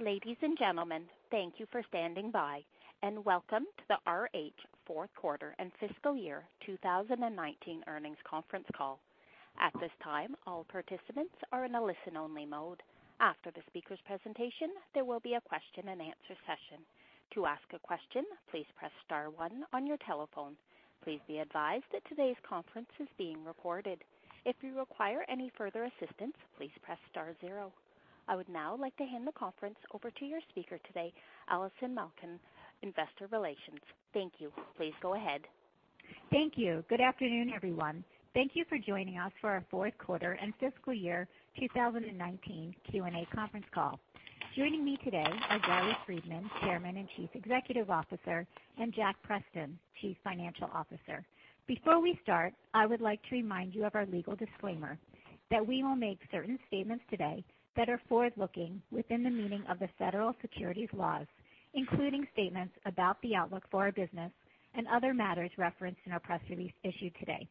Ladies and gentlemen, thank you for standing by, and Welcome to the RH fourth quarter and fiscal year 2019 earnings conference call. At this time, all participants are in a listen-only mode. After the speakers presentation, there will be a question and answer session. To ask a question, please press star one on your telephone. Please be advised that today's conference is being recorded. If you require any further assistance, please press star zero. I would now like to hand the conference over to your speaker today, Allison Malkin, Investor Relations. Thank you. Please go ahead. Thank you. Good afternoon, everyone. Thank you for joining us for our fourth quarter and fiscal year 2019 Q&A conference call. Joining me today are Gary Friedman, Chairman and Chief Executive Officer, and Jack Preston, Chief Financial Officer. Before we start, I would like to remind you of our legal disclaimer that we will make certain statements today that are forward-looking within the meaning of the federal securities laws, including statements about the outlook for our business and other matters referenced in our press release issued today.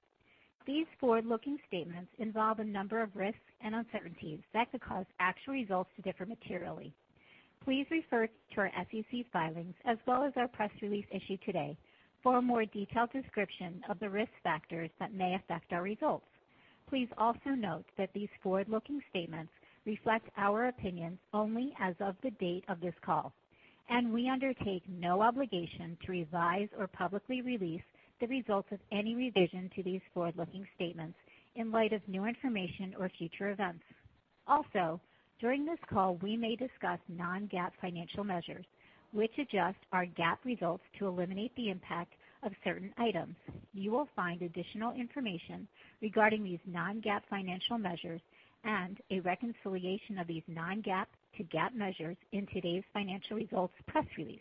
These forward-looking statements involve a number of risks and uncertainties that could cause actual results to differ materially. Please refer to our SEC filings as well as our press release issued today for a more detailed description of the risk factors that may affect our results. Please also note that these forward-looking statements reflect our opinions only as of the date of this call, and we undertake no obligation to revise or publicly release the results of any revision to these forward-looking statements in light of new information or future events. Also, during this call, we may discuss non-GAAP financial measures, which adjust our GAAP results to eliminate the impact of certain items. You will find additional information regarding these non-GAAP financial measures and a reconciliation of these non-GAAP to GAAP measures in today's financial results press release.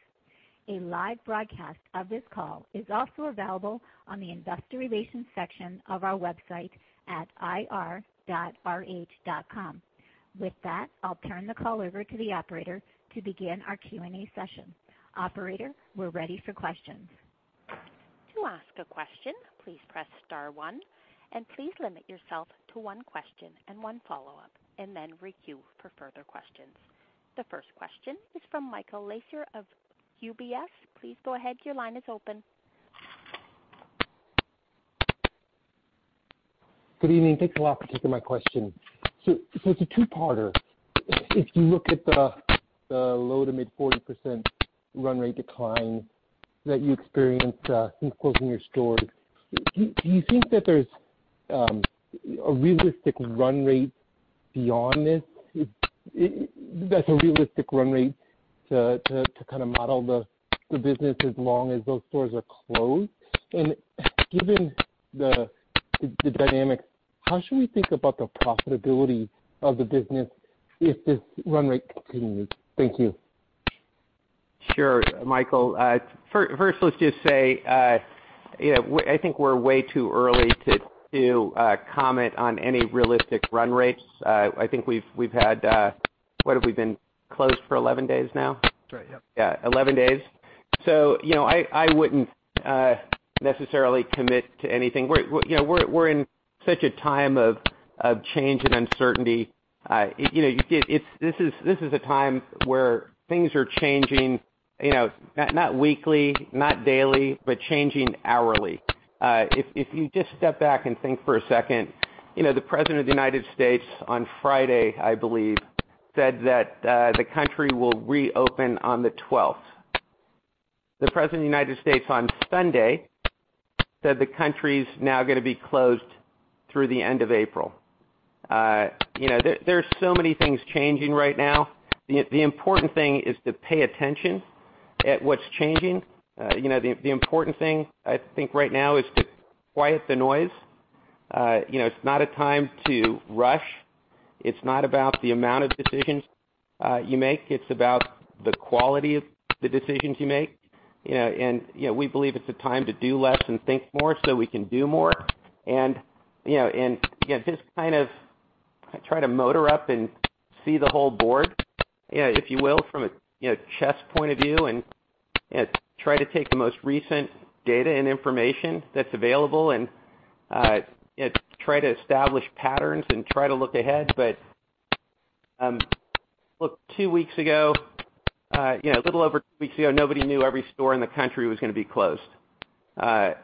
A live broadcast of this call is also available on the investor relations section of our website at ir.rh.com. With that, I'll turn the call over to the operator to begin our Q&A session. Operator, we're ready for questions. To ask a question, please press star one, and please limit yourself to one question and one follow-up, and then queue for further questions. The first question is from Michael Lasser of UBS. Please go ahead. Your line is open. Good evening. Thanks a lot for taking my question. It's a two-parter. If you look at the low to mid 40% run rate decline that you experienced since closing your stores, do you think that there's a realistic run rate beyond this that's a realistic run rate to model the business as long as those stores are closed? Given the dynamics, how should we think about the profitability of the business if this run rate continues? Thank you. Sure, Michael. First, let's just say I think we're way too early to comment on any realistic run rates. I think we've had What have we been closed for 11 days now? That's right. Yep. Yeah, 11 days. I wouldn't necessarily commit to anything. We're in such a time of change and uncertainty. This is a time where things are changing, not weekly, not daily, but changing hourly. If you just step back and think for a second, the President of the United States on Friday, I believe, said that the country will reopen on the 12th. The President of the United States on Sunday said the country's now going to be closed through the end of April. There are so many things changing right now. The important thing is to pay attention at what's changing. The important thing I think right now is to quiet the noise. It's not a time to rush. It's not about the amount of decisions you make. It's about the quality of the decisions you make. We believe it's a time to do less and think more so we can do more, and just kind of try to motor up and see the whole board, if you will, from a chess point of view and try to take the most recent data and information that's available and try to establish patterns and try to look ahead. Look, a little over two weeks ago, nobody knew every store in the country was going to be closed. This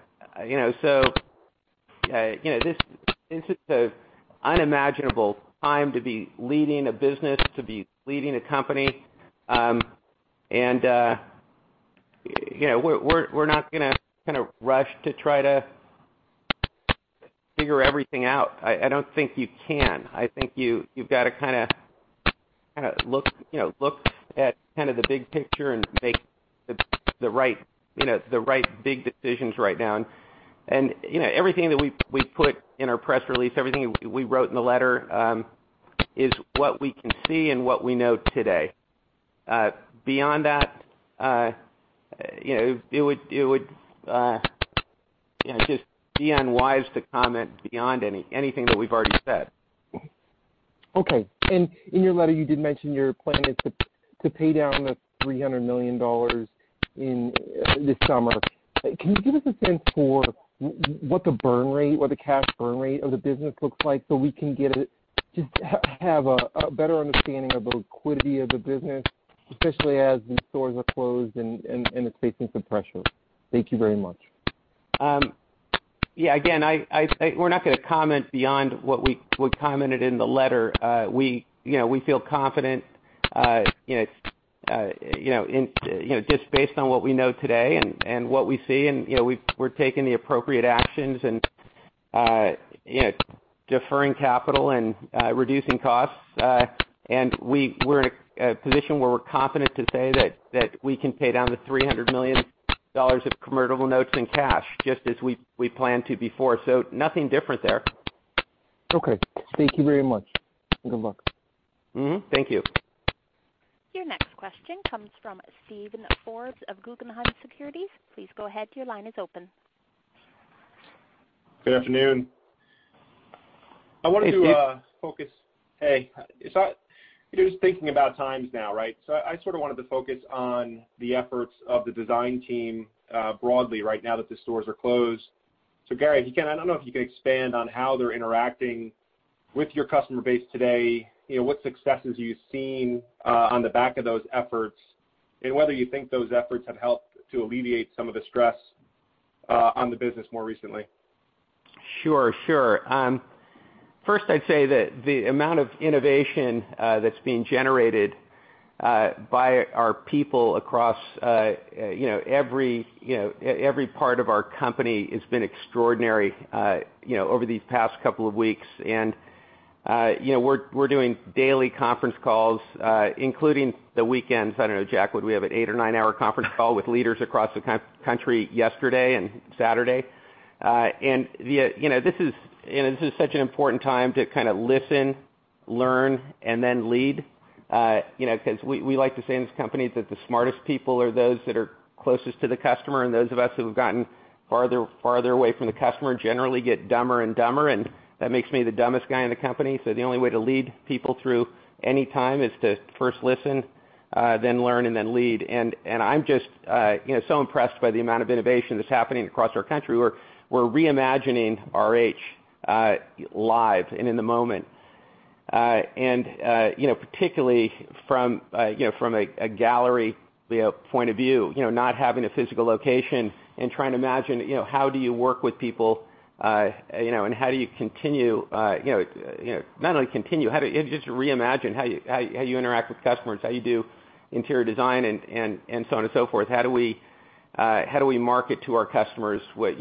is an unimaginable time to be leading a business, to be leading a company. We're not going to rush to try to figure everything out. I don't think you can. I think you've got to look at the big picture and make the right big decisions right now. Everything that we put in our press release, everything we wrote in the letter, is what we can see and what we know today. Beyond that, it would just be unwise to comment beyond anything that we've already said. Okay. In your letter, you did mention you're planning To pay down the $300 million this summer. Can you give us a sense for what the cash burn rate of the business looks like so we can just have a better understanding of the liquidity of the business, especially as these stores are closed and it's facing some pressure. Thank you very much. Yeah. Again, we're not going to comment beyond what we commented in the letter. We feel confident just based on what we know today and what we see. We're taking the appropriate actions and deferring capital and reducing costs. We're in a position where we're confident to say that we can pay down the $300 million of convertible notes in cash, just as we planned to before. Nothing different there. Okay. Thank you very much, and good luck. Mm-hmm. Thank you. Your next question comes from Steven Forbes of Guggenheim Securities. Please go ahead, your line is open. Good afternoon. Hey, Steven. Hey. Just thinking about times now, right? I sort of wanted to focus on the efforts of the design team, broadly, right now that the stores are closed. Gary, I don't know if you can expand on how they're interacting with your customer base today. What successes are you seeing on the back of those efforts, and whether you think those efforts have helped to alleviate some of the stress on the business more recently? Sure. I'd say that the amount of innovation that's being generated by our people across every part of our company has been extraordinary over these past couple of weeks. We're doing daily conference calls, including the weekends. I don't know, Jack, what'd we have, an eight or nine-hour conference call with leaders across the country yesterday and Saturday. This is such an important time to kind of listen, learn, and then lead. We like to say in this company that the smartest people are those that are closest to the customer, and those of us who have gotten farther away from the customer generally get dumber and dumber, and that makes me the dumbest guy in the company. The only way to lead people through any time is to first listen, then learn, and then lead. I'm just so impressed by the amount of innovation that's happening across our country. We're reimagining RH live and in the moment. Particularly from a gallery point of view, not having a physical location and trying to imagine, how do you work with people, and how do you continue Not only continue, how do you just reimagine how you interact with customers, how you do interior design, and so on and so forth. How do we market to our customers? What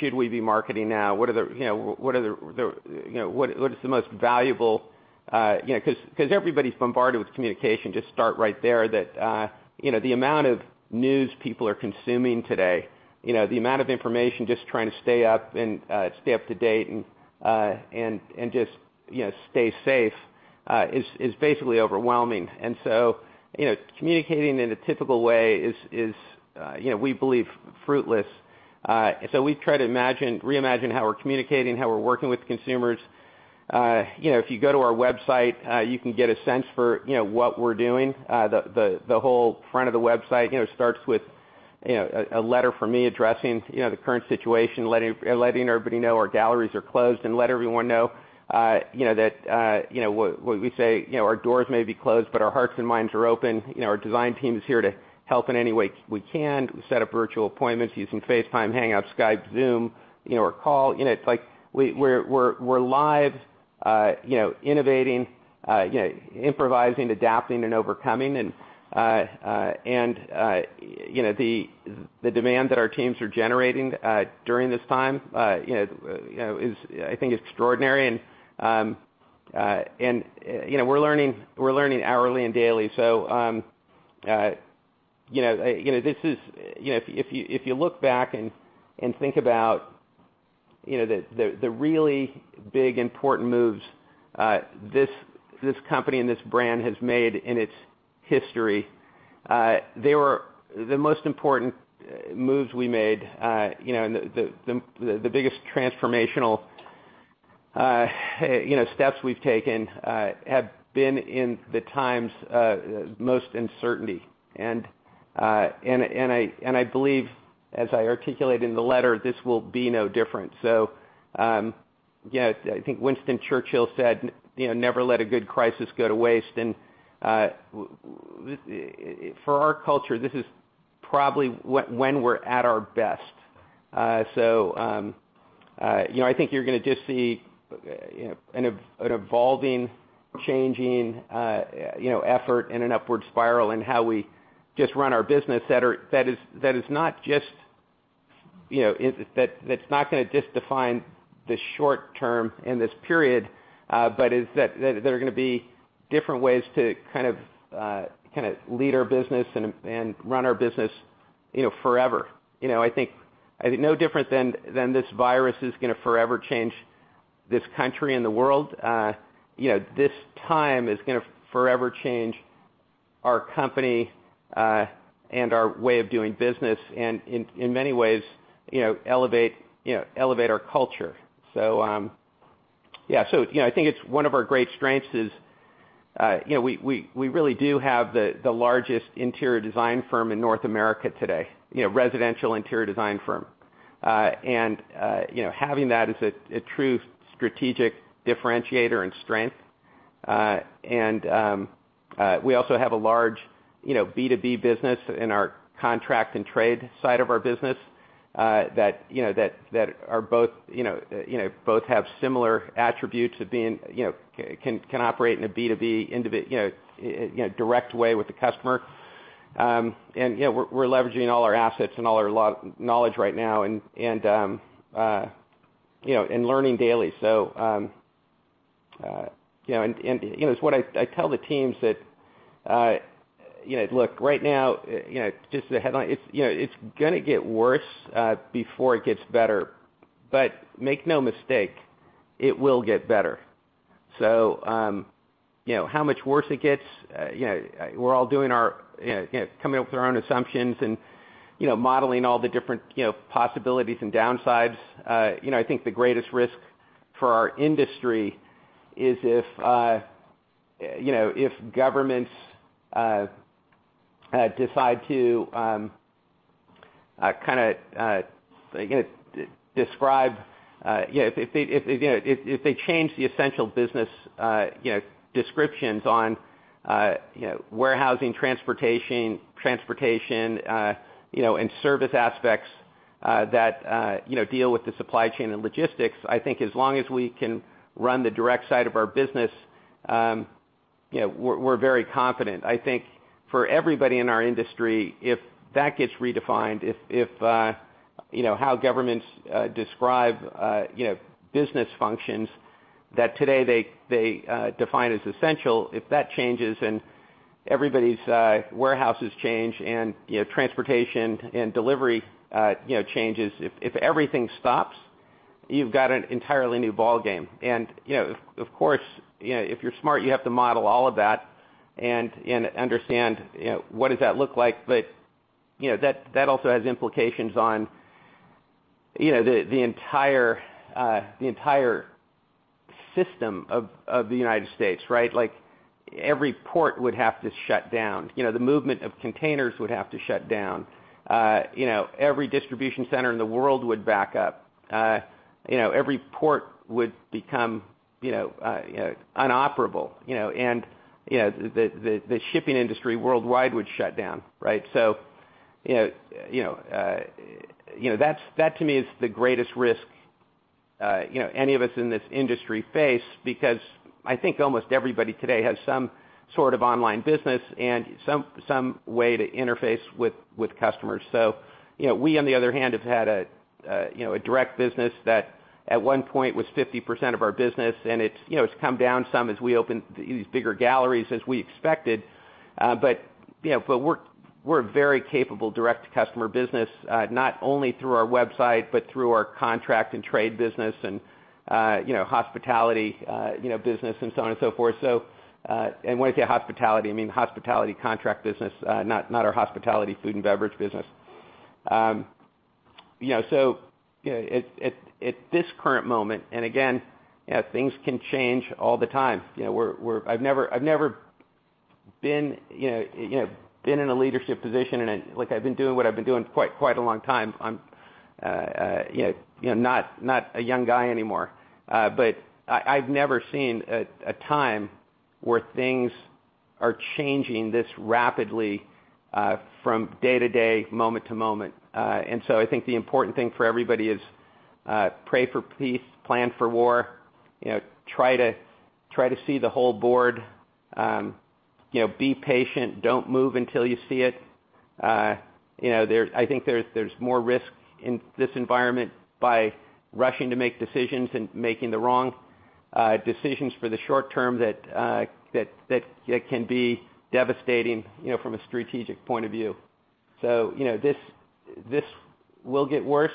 should we be marketing now? Everybody's bombarded with communication. Just start right there, that the amount of news people are consuming today, the amount of information just trying to stay up to date and just stay safe, is basically overwhelming. Communicating in a typical way is, we believe, fruitless. We try to reimagine how we're communicating, how we're working with consumers. If you go to our website, you can get a sense for what we're doing. The whole front of the website starts with a letter from me addressing the current situation, letting everybody know our galleries are closed, and let everyone know that our doors may be closed, but our hearts and minds are open. Our design team is here to help in any way we can. We set up virtual appointments using FaceTime, Hangouts, Skype, Zoom or call. It's like we're live innovating, improvising, adapting and overcoming and the demand that our teams are generating during this time is, I think, extraordinary. We're learning hourly and daily. If you look back and think about the really big, important moves this company and this brand has made in its history, the most important moves we made, the biggest transformational steps we've taken have been in the times most uncertainty. I believe, as I articulate in the letter, this will be no different. I think Winston Churchill said, "Never let a good crisis go to waste." For our culture, this is probably when we're at our best. I think you're going to just see an evolving, changing effort and an upward spiral in how we just run our business that is not going to just define the short term in this period. There are going to be different ways to kind of lead our business and run our business forever. I think no different than this virus is going to forever change this country and the world. This time is going to forever change our company, and our way of doing business, and in many ways elevate our culture. I think it's one of our great strengths is we really do have the largest interior design firm in North America today, residential interior design firm. Having that is a true strategic differentiator and strength. We also have a large B2B business in our contract and trade side of our business, that both have similar attributes of being can operate in a B2B, individual, direct way with the customer. We're leveraging all our assets and all our knowledge right now and learning daily. It's what I tell the teams that look right now, just the headline, it's going to get worse before it gets better. Make no mistake, it will get better. How much worse it gets, we're all coming up with our own assumptions and modeling all the different possibilities and downsides. I think the greatest risk for our industry is if governments decide to kind of describe if they change the essential business descriptions on warehousing, transportation, and service aspects that deal with the supply chain and logistics. I think as long as we can run the direct side of our business, we're very confident. I think for everybody in our industry, if that gets redefined, if how governments describe business functions that today they define as essential, if that changes and everybody's warehouses change and transportation and delivery changes. If everything stops, you've got an entirely new ballgame. Of course, if you're smart, you have to model all of that and understand what does that look like. That also has implications on the entire system of the U.S., right? Every port would have to shut down. The movement of containers would have to shut down. Every distribution center in the world would back up. Every port would become inoperable. The shipping industry worldwide would shut down, right? That to me is the greatest risk any of us in this industry face because I think almost everybody today has some sort of online business and some way to interface with customers. We on the other hand have had a direct business that at one point was 50% of our business, and it's come down some as we open these bigger galleries as we expected. We're a very capable direct-to-customer business, not only through our website but through our contract and trade business and hospitality business and so on and so forth. When I say hospitality, I mean hospitality contract business, not our hospitality food and beverage business. At this current moment, and again, things can change all the time. I've never been in a leadership position. I've been doing what I've been doing quite a long time. I'm not a young guy anymore. I've never seen a time where things are changing this rapidly, from day to day, moment to moment. I think the important thing for everybody is, pray for peace, plan for war, try to see the whole board. Be patient. Don't move until you see it. I think there's more risk in this environment by rushing to make decisions and making the wrong decisions for the short term that can be devastating from a strategic point of view. This will get worse,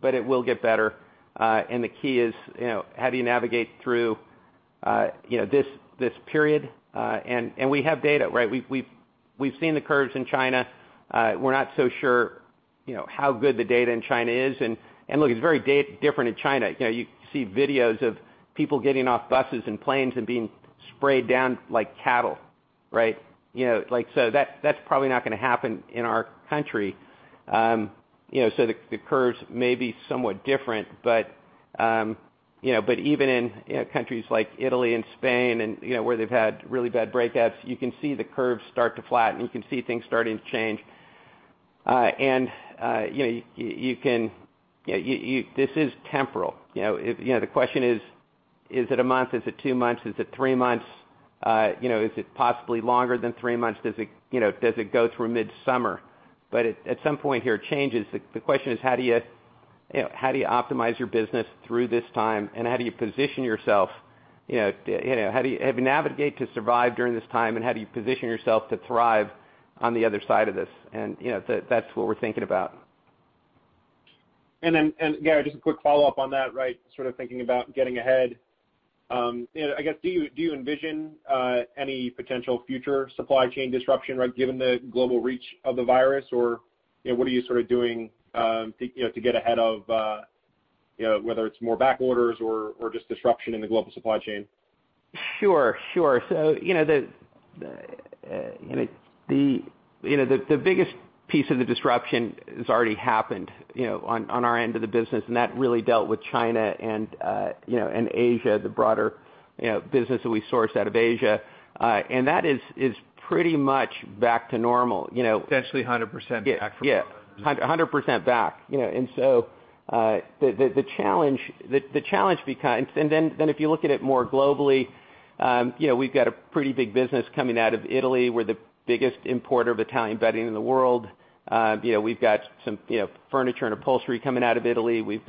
but it will get better. The key is how do you navigate through this period? We have data, right? We've seen the curves in China. We're not so sure how good the data in China is. Look, it's very different in China. You see videos of people getting off buses and planes and being sprayed down like cattle, right? That's probably not going to happen in our country. The curves may be somewhat different, but even in countries like Italy and Spain and where they've had really bad breakouts, you can see the curves start to flatten. You can see things starting to change. This is temporal. The question is it a month? Is it two months? Is it three months? Is it possibly longer than three months? Does it go through midsummer? At some point here, it changes. The question is how do you optimize your business through this time and how do you position yourself? How do you navigate to survive during this time and how do you position yourself to thrive on the other side of this? That's what we're thinking about. Gary, just a quick follow-up on that, right? Sort of thinking about getting ahead. I guess, do you envision any potential future supply chain disruption, right, given the global reach of the virus? Or what are you doing to get ahead of whether it's more back orders or just disruption in the global supply chain? Sure. The biggest piece of the disruption has already happened on our end of the business, and that really dealt with China and Asia, the broader business that we source out of Asia. That is pretty much back to normal. Essentially 100% back for all intents and purposes. Yeah. 100% back. If you look at it more globally, we've got a pretty big business coming out of Italy. We're the biggest importer of Italian bedding in the world. We've got some furniture and upholstery coming out of Italy. We'll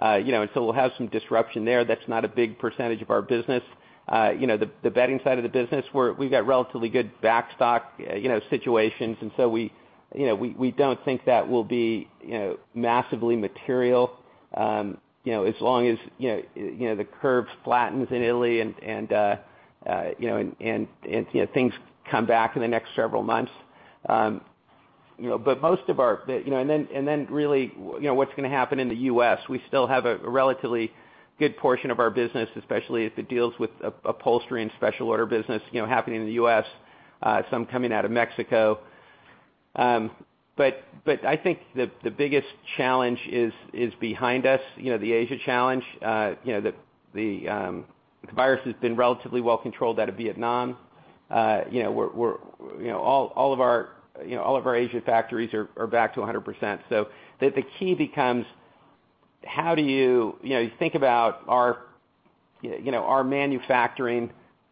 have some disruption there. That's not a big percentage of our business. The bedding side of the business, we've got relatively good back stock situations, we don't think that will be massively material, as long as the curve flattens in Italy and things come back in the next several months. Really, what's going to happen in the U.S.? We still have a relatively good portion of our business, especially if it deals with upholstery and special order business, happening in the U.S., some coming out of Mexico. I think the biggest challenge is behind us, the Asia challenge. The virus has been relatively well controlled out of Vietnam. All of our Asia factories are back to 100%. The key becomes, you think about our manufacturing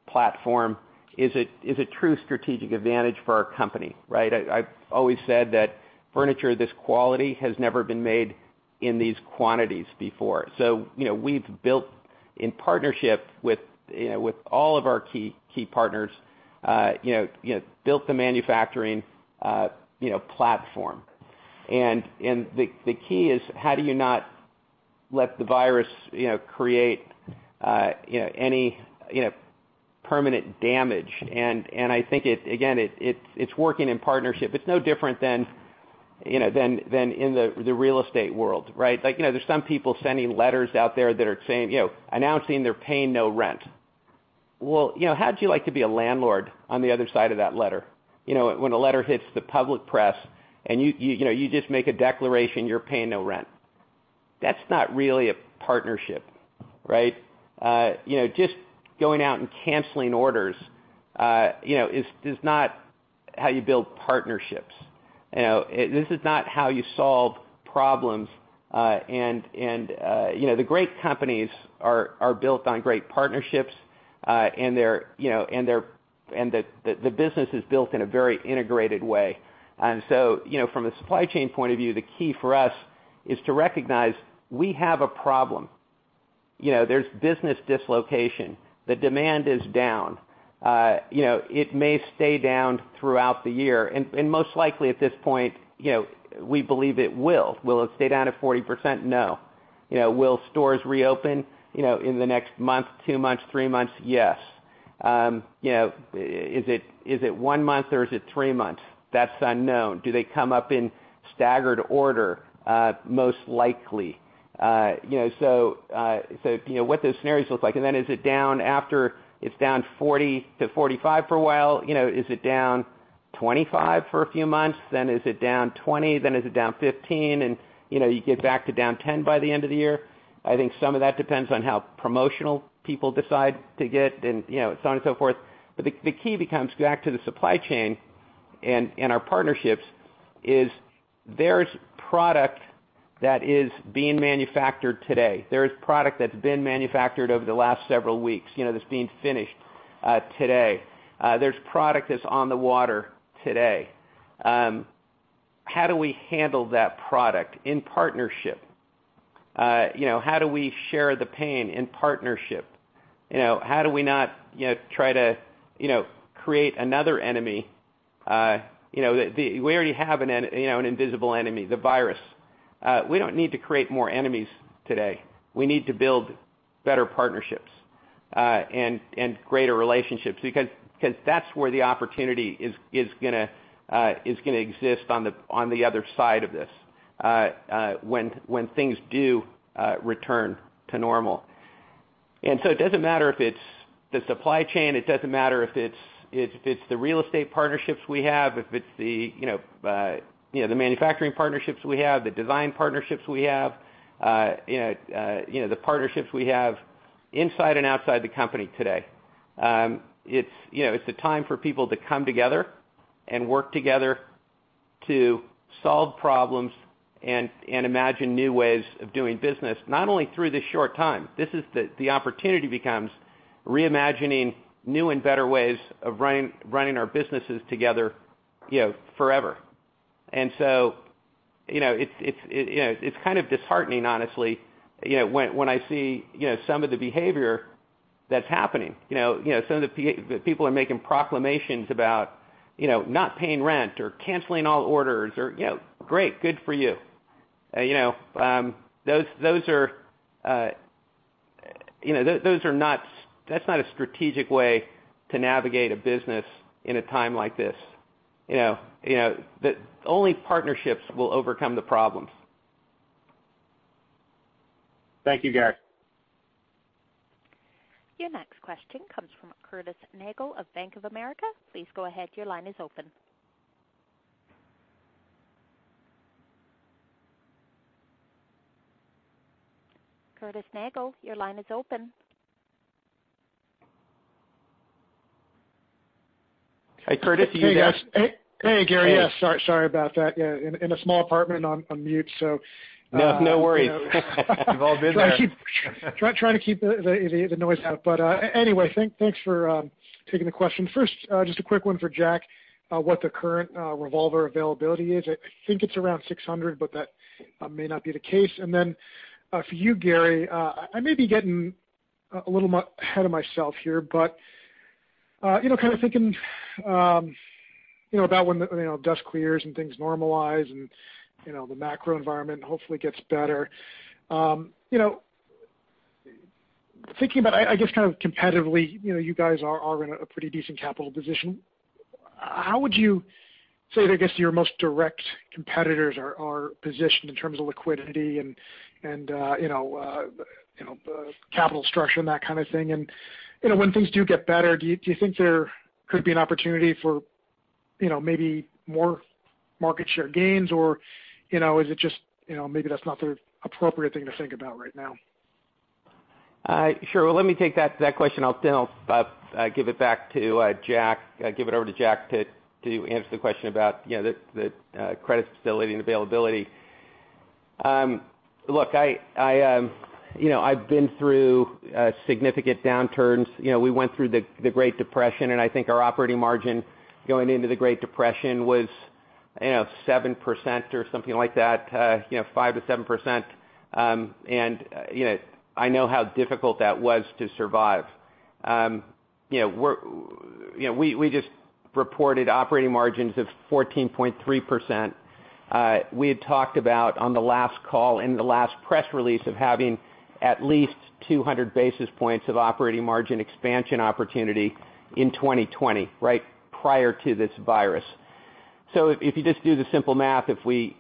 platform. Is it true strategic advantage for our company, right? I've always said that furniture of this quality has never been made in these quantities before. We've built in partnership with all of our key partners, built the manufacturing platform. The key is how do you not let the virus create any permanent damage. I think, again, it's working in partnership. It's no different than in the real estate world, right? There's some people sending letters out there that are announcing they're paying no rent. Well, how'd you like to be a landlord on the other side of that letter? When a letter hits the public press and you just make a declaration you're paying no rent. That's not really a partnership, right? Just going out and canceling orders is not how you build partnerships. This is not how you solve problems. The great companies are built on great partnerships, and the business is built in a very integrated way. From a supply chain point of view, the key for us is to recognize we have a problem. There's business dislocation. The demand is down. It may stay down throughout the year. Most likely at this point, we believe it will. Will it stay down at 40%? No. Will stores reopen in the next month, two months, three months? Yes. Is it one month or is it three months? That's unknown. Do they come up in staggered order? Most likely. What those scenarios look like. It's down 40%-45% for a while, is it down 25% for a few months, then is it down 20%, then is it down 15%, and you get back to down 10% by the end of the year? I think some of that depends on how promotional people decide to get and so on and so forth. The key becomes, go back to the supply chain and our partnerships, there's product that is being manufactured today. There is product that's been manufactured over the last several weeks, that's being finished today. There's product that's on the water today. How do we handle that product in partnership? How do we share the pain in partnership? How do we not try to create another enemy? We already have an invisible enemy, the virus. We don't need to create more enemies today. We need to build better partnerships and greater relationships, because that's where the opportunity is going to exist on the other side of this, when things do return to normal. It doesn't matter if it's the supply chain, it doesn't matter if it's the real estate partnerships we have, if it's the manufacturing partnerships we have, the design partnerships we have, the partnerships we have inside and outside the company today. It's a time for people to come together and work together to solve problems and imagine new ways of doing business, not only through this short time. The opportunity becomes reimagining new and better ways of running our businesses together forever. It's kind of disheartening, honestly, when I see some of the behavior that's happening. Some of the people are making proclamations about not paying rent or canceling all orders. Great, good for you. Those are not a strategic way to navigate a business in a time like this. Only partnerships will overcome the problems. Thank you, Gary. Your next question comes from Curtis Nagle of Bank of America. Please go ahead. Your line is open. Curtis Nagle, your line is open. Hey, Curtis. Are you there? Hey, guys. Hey, Gary. Hey. Yeah. Sorry about that. Yeah. In a small apartment on mute. No worries. We've all been there. Trying to keep the noise out. Thanks for taking the question. First, just a quick one for Jack, what the current revolver availability is. I think it's around $600, but that may not be the case. For you, Gary, I may be getting a little ahead of myself here, thinking about when the dust clears and things normalize and the macro environment hopefully gets better. Thinking about competitively, you guys are in a pretty decent capital position. How would you say your most direct competitors are positioned in terms of liquidity and capital structure and that kind of thing? When things do get better, do you think there could be an opportunity for maybe more market share gains? Is it just maybe that's not the appropriate thing to think about right now? Sure. Well, let me take that question, then I'll give it back to Jack, give it over to Jack to answer the question about the credit facility and availability. Look, I've been through significant downturns. We went through the Great Recession, and I think our operating margin going into the Great Recession was 7% or something like that, 5%-7%. I know how difficult that was to survive. We just reported operating margins of 14.3%. We had talked about on the last call, in the last press release, of having at least 200 basis points of operating margin expansion opportunity in 2020, right prior to this virus. If you just do the simple math, if we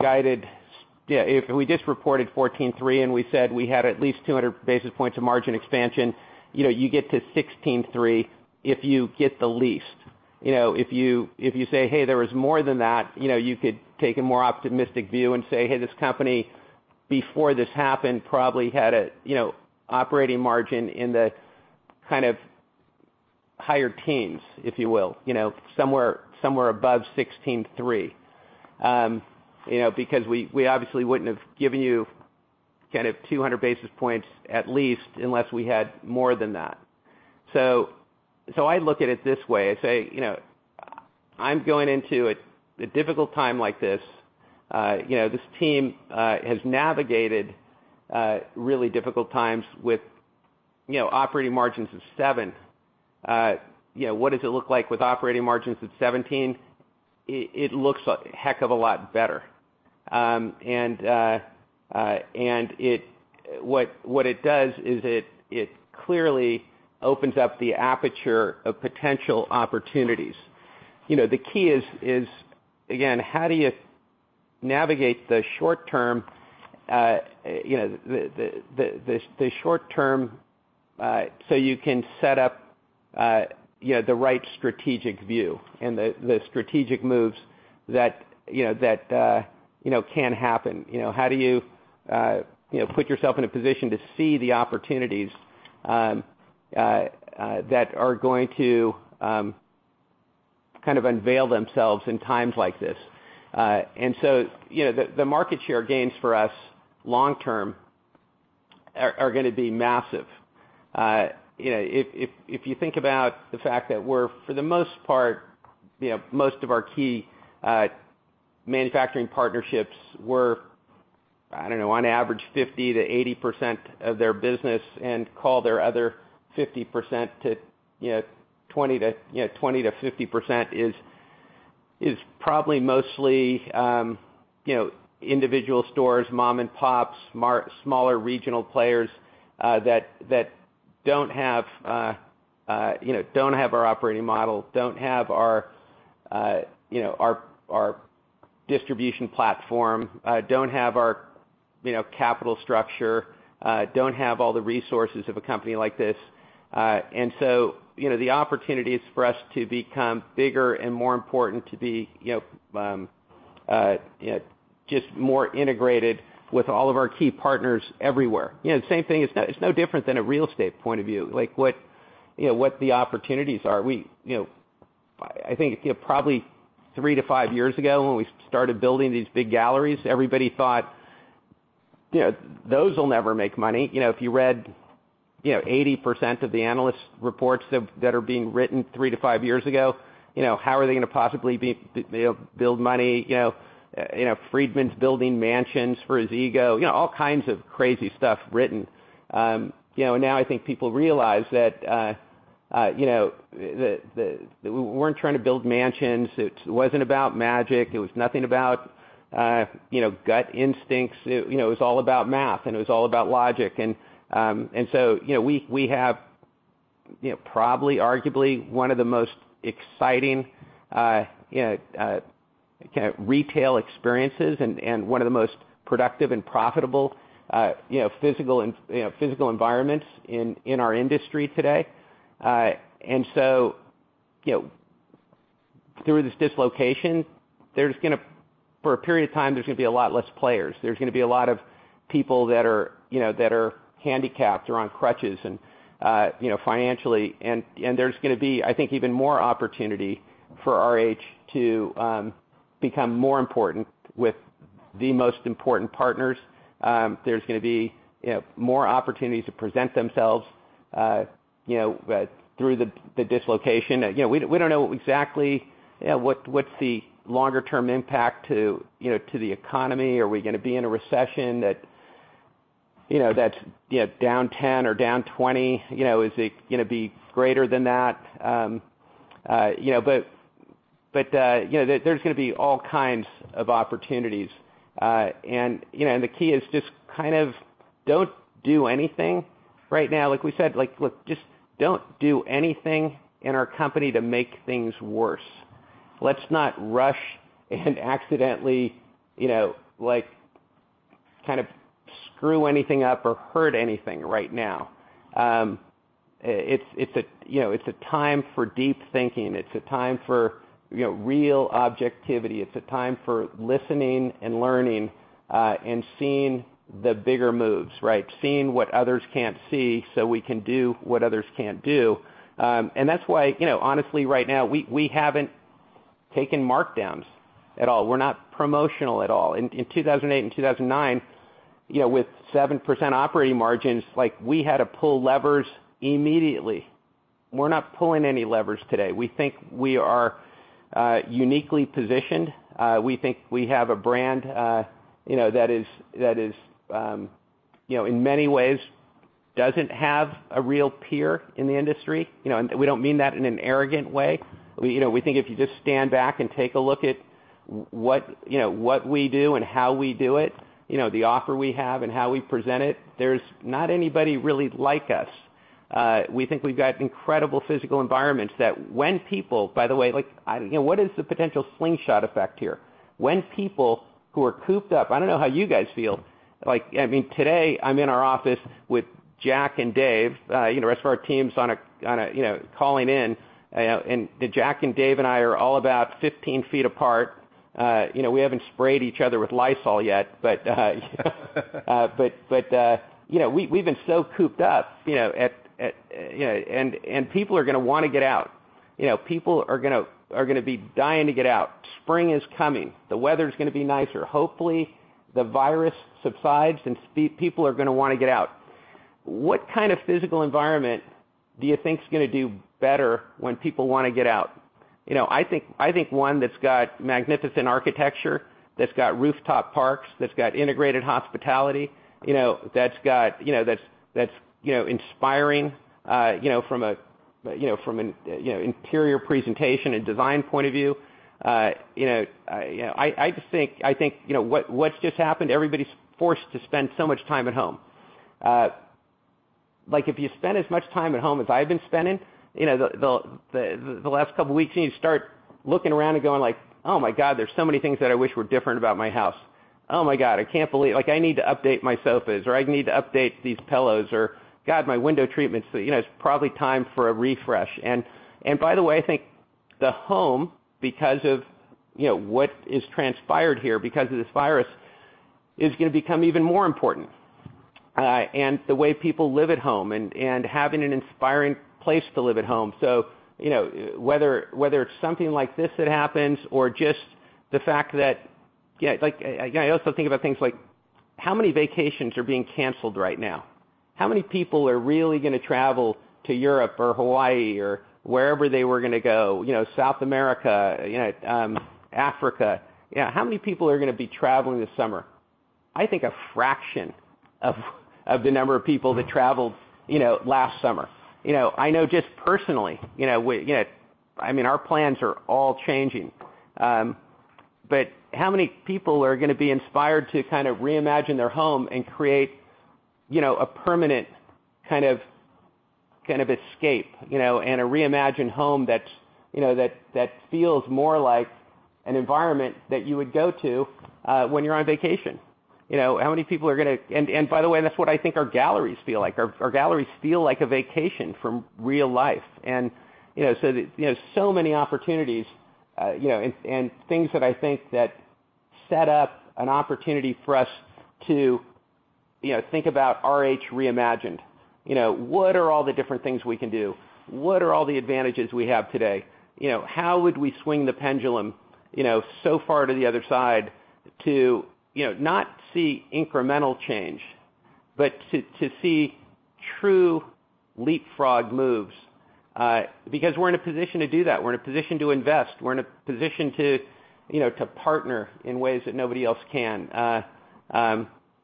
just reported 14.3%, and we said we had at least 200 basis points of margin expansion, you get to 16.3% if you get the least. If you say, "Hey, there was more than that," you could take a more optimistic view and say, "Hey, this company, before this happened, probably had an operating margin in the kind of higher teens," if you will, somewhere above 16.3%. We obviously wouldn't have given you kind of 200 basis points at least, unless we had more than that. I look at it this way. I say, I'm going into a difficult time like this. This team has navigated really difficult times with operating margins of seven. What does it look like with operating margins of 17%? It looks a heck of a lot better. What it does is it clearly opens up the aperture of potential opportunities. The key is, again, how do you navigate the short term so you can set up the right strategic view and the strategic moves that can happen. How do you put yourself in a position to see the opportunities that are going to kind of unveil themselves in times like this? The market share gains for us long term are going to be massive. If you think about the fact that we're, for the most part, most of our key manufacturing partnerships we're, I don't know, on average, 50%-80% of their business and call their other 50% to 20%-50% is probably mostly individual stores, mom and pops, smaller regional players that don't have our operating model, don't have our distribution platform, don't have our capital structure, don't have all the resources of a company like this. The opportunities for us to become bigger and more important to be just more integrated with all of our key partners everywhere. The same thing, it's no different than a real estate point of view, like what the opportunities are. I think probably three to five years ago when we started building these big galleries, everybody thought, "Those will never make money." If you read 80% of the analyst reports that are being written three to five years ago, how are they going to possibly make money? Friedman's building mansions for his ego. All kinds of crazy stuff written. Now I think people realize that We weren't trying to build mansions. It wasn't about magic. It was nothing about gut instincts. It was all about math, and it was all about logic. We have probably, arguably one of the most exciting retail experiences and one of the most productive and profitable physical environments in our industry today. Through this dislocation for a period of time, there's going to be a lot less players. There's going to be a lot of people that are handicapped or on crutches financially. There's going to be, I think, even more opportunity for RH to become more important with the most important partners. There's going to be more opportunities to present themselves through the dislocation. We don't know exactly what's the longer-term impact to the economy. Are we going to be in a recession that's down 10 or down 20? Is it going to be greater than that? There's going to be all kinds of opportunities. The key is just kind of don't do anything right now. Like we said, look, just don't do anything in our company to make things worse. Let's not rush and accidentally kind of screw anything up or hurt anything right now. It's a time for deep thinking. It's a time for real objectivity. It's a time for listening and learning and seeing the bigger moves, right? Seeing what others can't see so we can do what others can't do. That's why honestly right now, we haven't taken markdowns at all. We're not promotional at all. In 2008 and 2009, with 7% operating margins, we had to pull levers immediately. We're not pulling any levers today. We think we are uniquely positioned. We think we have a brand that in many ways doesn't have a real peer in the industry. We don't mean that in an arrogant way. We think if you just stand back and take a look at what we do and how we do it, the offer we have and how we present it, there's not anybody really like us. We think we've got incredible physical environments that when people. By the way, what is the potential slingshot effect here? When people who are cooped up, I don't know how you guys feel. Today I'm in our office with Jack and Dave. The rest of our team's calling in, and Jack and Dave and I are all about 15 ft apart. We haven't sprayed each other with Lysol yet, we've been so cooped up, and people are going to want to get out. People are going to be dying to get out. Spring is coming. The weather's going to be nicer. Hopefully, the virus subsides, and people are going to want to get out. What kind of physical environment do you think is going to do better when people want to get out? I think one that's got magnificent architecture, that's got rooftop parks, that's got integrated hospitality, that's inspiring from an interior presentation and design point of view. I think what's just happened, everybody's forced to spend so much time at home. If you spend as much time at home as I've been spending the last couple of weeks, and you start looking around and going like, "Oh my God, there's so many things that I wish were different about my house. Oh my God, I can't believe I need to update my sofas, or I need to update these pillows, or God, my window treatments. It's probably time for a refresh." By the way, I think the home, because of what has transpired here, because of this virus, is going to become even more important. The way people live at home and having an inspiring place to live at home. Whether it's something like this that happens or just the fact that I also think about things like how many vacations are being canceled right now. How many people are really going to travel to Europe or Hawaii or wherever they were going to go, South America, Africa. How many people are going to be traveling this summer? I think a fraction of the number of people that traveled last summer. I know just personally, our plans are all changing. How many people are going to be inspired to kind of reimagine their home and create a permanent kind of escape, and a reimagined home that feels more like an environment that you would go to when you're on vacation. By the way, that's what I think our galleries feel like. Our galleries feel like a vacation from real life. So many opportunities and things that I think that set up an opportunity for us to think about RH reimagined. What are all the different things we can do? What are all the advantages we have today? How would we swing the pendulum so far to the other side to not see incremental change, but to see true leapfrog moves? We're in a position to do that. We're in a position to invest. We're in a position to partner in ways that nobody else can.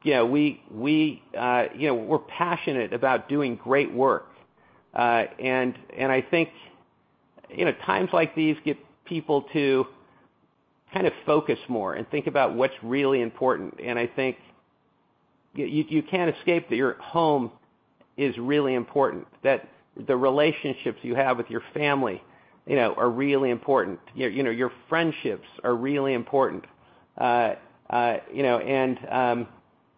We're passionate about doing great work. I think times like these get people to kind of focus more and think about what's really important. I think you can't escape that your home is really important, that the relationships you have with your family are really important. Your friendships are really important. Where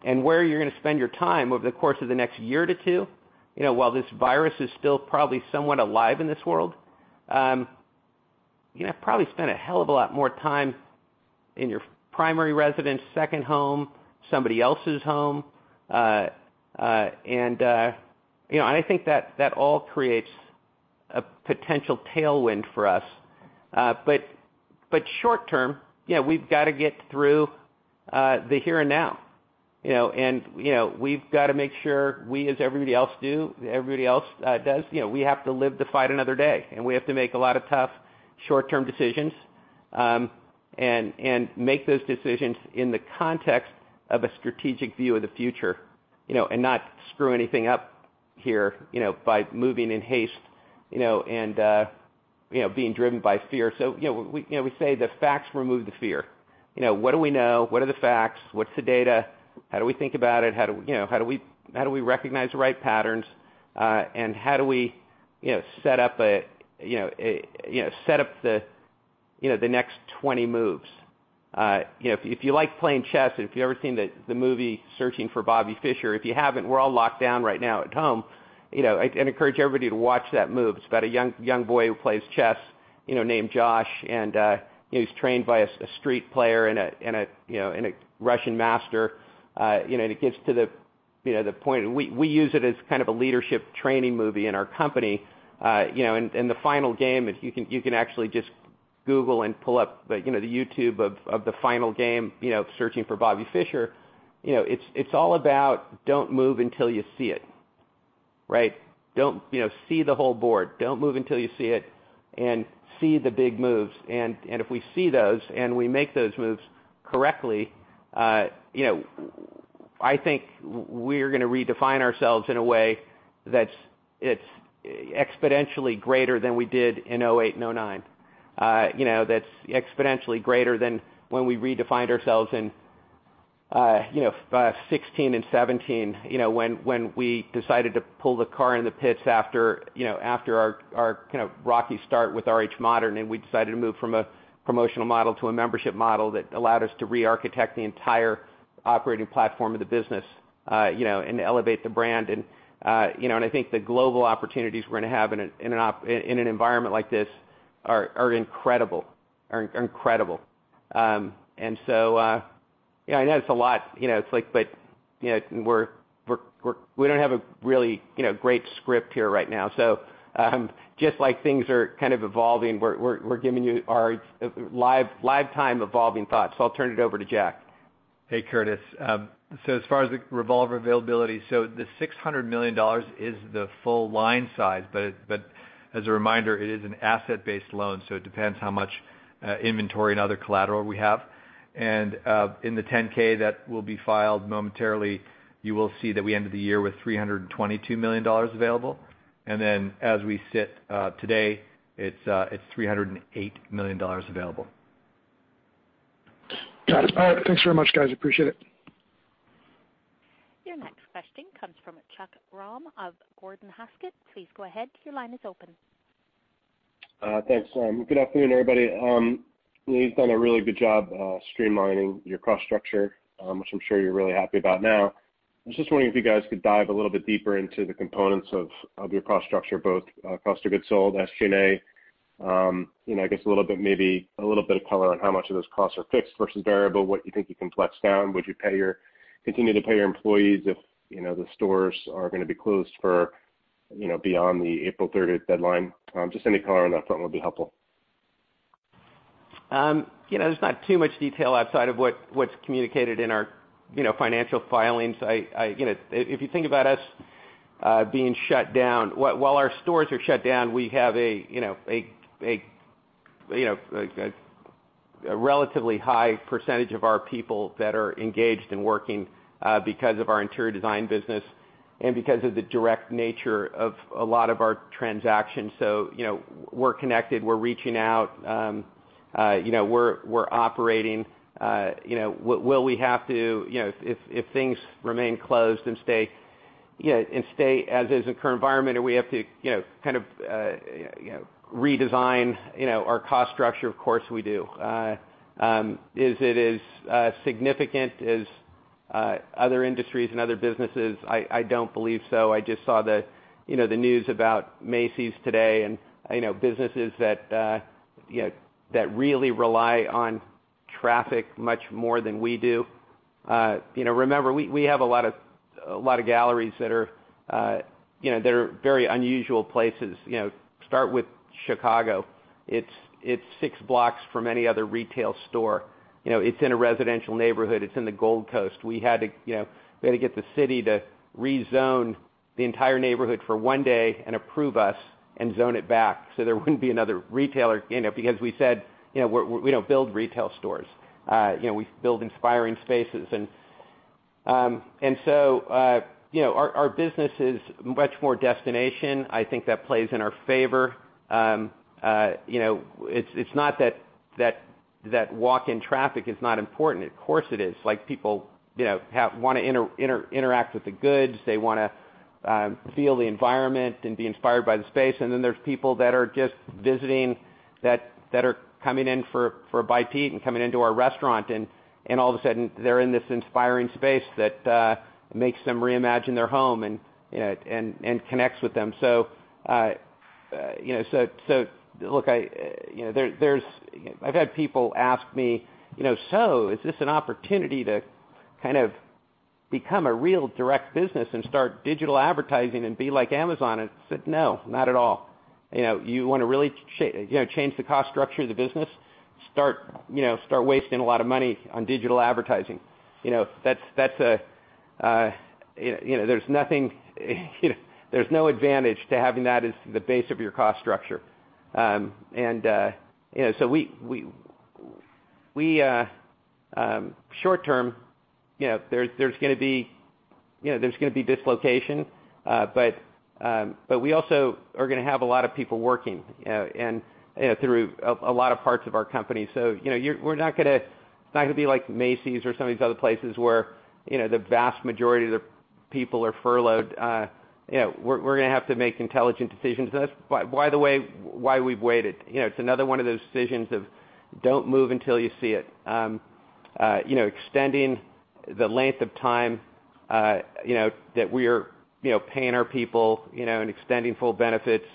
you're going to spend your time over the course of the next year to two, while this virus is still probably somewhat alive in this world. You're going to probably spend a hell of a lot more time in your primary residence, second home, somebody else's home. I think that all creates a potential tailwind for us. Short-term, we've got to get through the here and now. We've got to make sure we, as everybody else does, we have to live to fight another day. We have to make a lot of tough short-term decisions, and make those decisions in the context of a strategic view of the future, and not screw anything up here by moving in haste and being driven by fear. We say the facts remove the fear. What do we know? What are the facts? What's the data? How do we think about it? How do we recognize the right patterns? How do we set up the next 20 moves? If you like playing chess and if you've ever seen the movie "Searching for Bobby Fischer," if you haven't, we're all locked down right now at home, I'd encourage everybody to watch that movie. It's about a young boy who plays chess, named Josh, and he's trained by a street player and a Russian master. It gets to the point. We use it as kind of a leadership training movie in our company. The final game, you can actually just Google and pull up the YouTube of the final game of "Searching for Bobby Fischer." It's all about don't move until you see it. Right? See the whole board. Don't move until you see it, and see the big moves. If we see those and we make those moves correctly, I think we're going to redefine ourselves in a way that's exponentially greater than we did in 2008 and 2009. That's exponentially greater than when we redefined ourselves in 2016 and 2017, when we decided to pull the car in the pits after our kind of rocky start with RH Modern, and we decided to move from a promotional model to a membership model that allowed us to re-architect the entire operating platform of the business, and elevate the brand. I think the global opportunities we're going to have in an environment like this are incredible. I know it's a lot, but we don't have a really great script here right now. Just like things are kind of evolving, we're giving you our live time evolving thoughts. I'll turn it over to Jack. Hey, Curtis. As far as the revolver availability, the $600 million is the full line size, but as a reminder, it is an asset-based loan, so it depends how much inventory and other collateral we have. In the 10-K that will be filed momentarily, you will see that we ended the year with $322 million available. Then as we sit today, it's $308 million available. Got it. All right. Thanks very much, guys. Appreciate it. Your next question comes from Chuck Grom of Gordon Haskett Research Advisors. Please go ahead, your line is open. Thanks. Good afternoon, everybody. You've done a really good job streamlining your cost structure, which I'm sure you're really happy about now. I was just wondering if you guys could dive a little bit deeper into the components of your cost structure, both cost of goods sold, SG&A. I guess maybe a little bit of color on how much of those costs are fixed versus variable, what you think you can flex down. Would you continue to pay your employees if the stores are going to be closed for beyond the April 30th deadline? Just any color on that front would be helpful. There's not too much detail outside of what's communicated in our financial filings. If you think about us being shut down, while our stores are shut down, we have a relatively high percentage of our people that are engaged and working because of our interior design business and because of the direct nature of a lot of our transactions. We're connected, we're reaching out, we're operating. Will we have to, if things remain closed and stay as is the current environment, or we have to kind of redesign our cost structure? Of course, we do. Is it as significant as other industries and other businesses? I don't believe so. I just saw the news about Macy's today, businesses that really rely on traffic much more than we do. Remember, we have a lot of galleries that are very unusual places. Start with Chicago. It's six blocks from any other retail store. It's in a residential neighborhood. It's in the Gold Coast. We had to get the city to rezone the entire neighborhood for one day and approve us and zone it back so there wouldn't be another retailer, because we said, we don't build retail stores. We build inspiring spaces. Our business is much more destination. I think that plays in our favor. It's not that walk-in traffic is not important. Of course, it is. People want to interact with the goods. They want to feel the environment and be inspired by the space. There's people that are just visiting that are coming in for a bite to eat and coming into our restaurant, and all of a sudden, they're in this inspiring space that makes them reimagine their home and connects with them. Look, I've had people ask me, "So, is this an opportunity to kind of become a real direct business and start digital advertising and be like Amazon?" I said, "No, not at all." You want to really change the cost structure of the business? Start wasting a lot of money on digital advertising. There's no advantage to having that as the base of your cost structure. Short-term, there's going to be dislocation, but we also are going to have a lot of people working through a lot of parts of our company. It's not going to be like Macy's or some of these other places where the vast majority of the people are furloughed. We're going to have to make intelligent decisions. That's, by the way, why we've waited. It's another one of those decisions of don't move until you see it. Extending the length of time that we're paying our people and extending full benefits,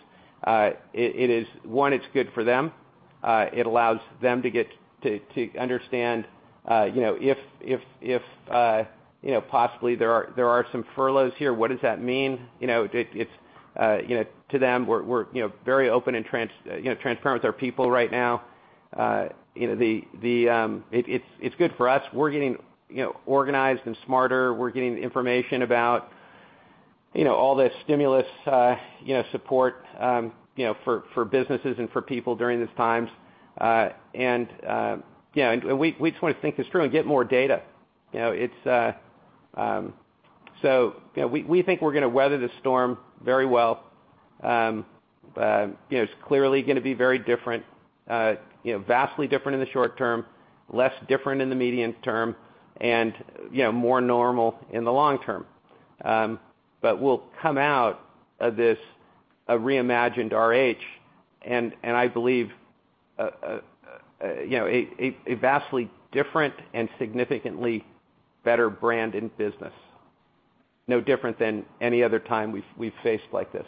it's good for them. It allows them to get to understand if possibly there are some furloughs here, what does that mean? To them, we're very open and transparent with our people right now. It's good for us. We're getting organized and smarter. We're getting information about all the stimulus support for businesses and for people during these times. We just want to think this through and get more data. We think we're going to weather the storm very well. It's clearly going to be very different. Vastly different in the short term, less different in the medium term, and more normal in the long term. We'll come out of this a reimagined RH, and I believe, a vastly different and significantly better brand in business, no different than any other time we've faced like this.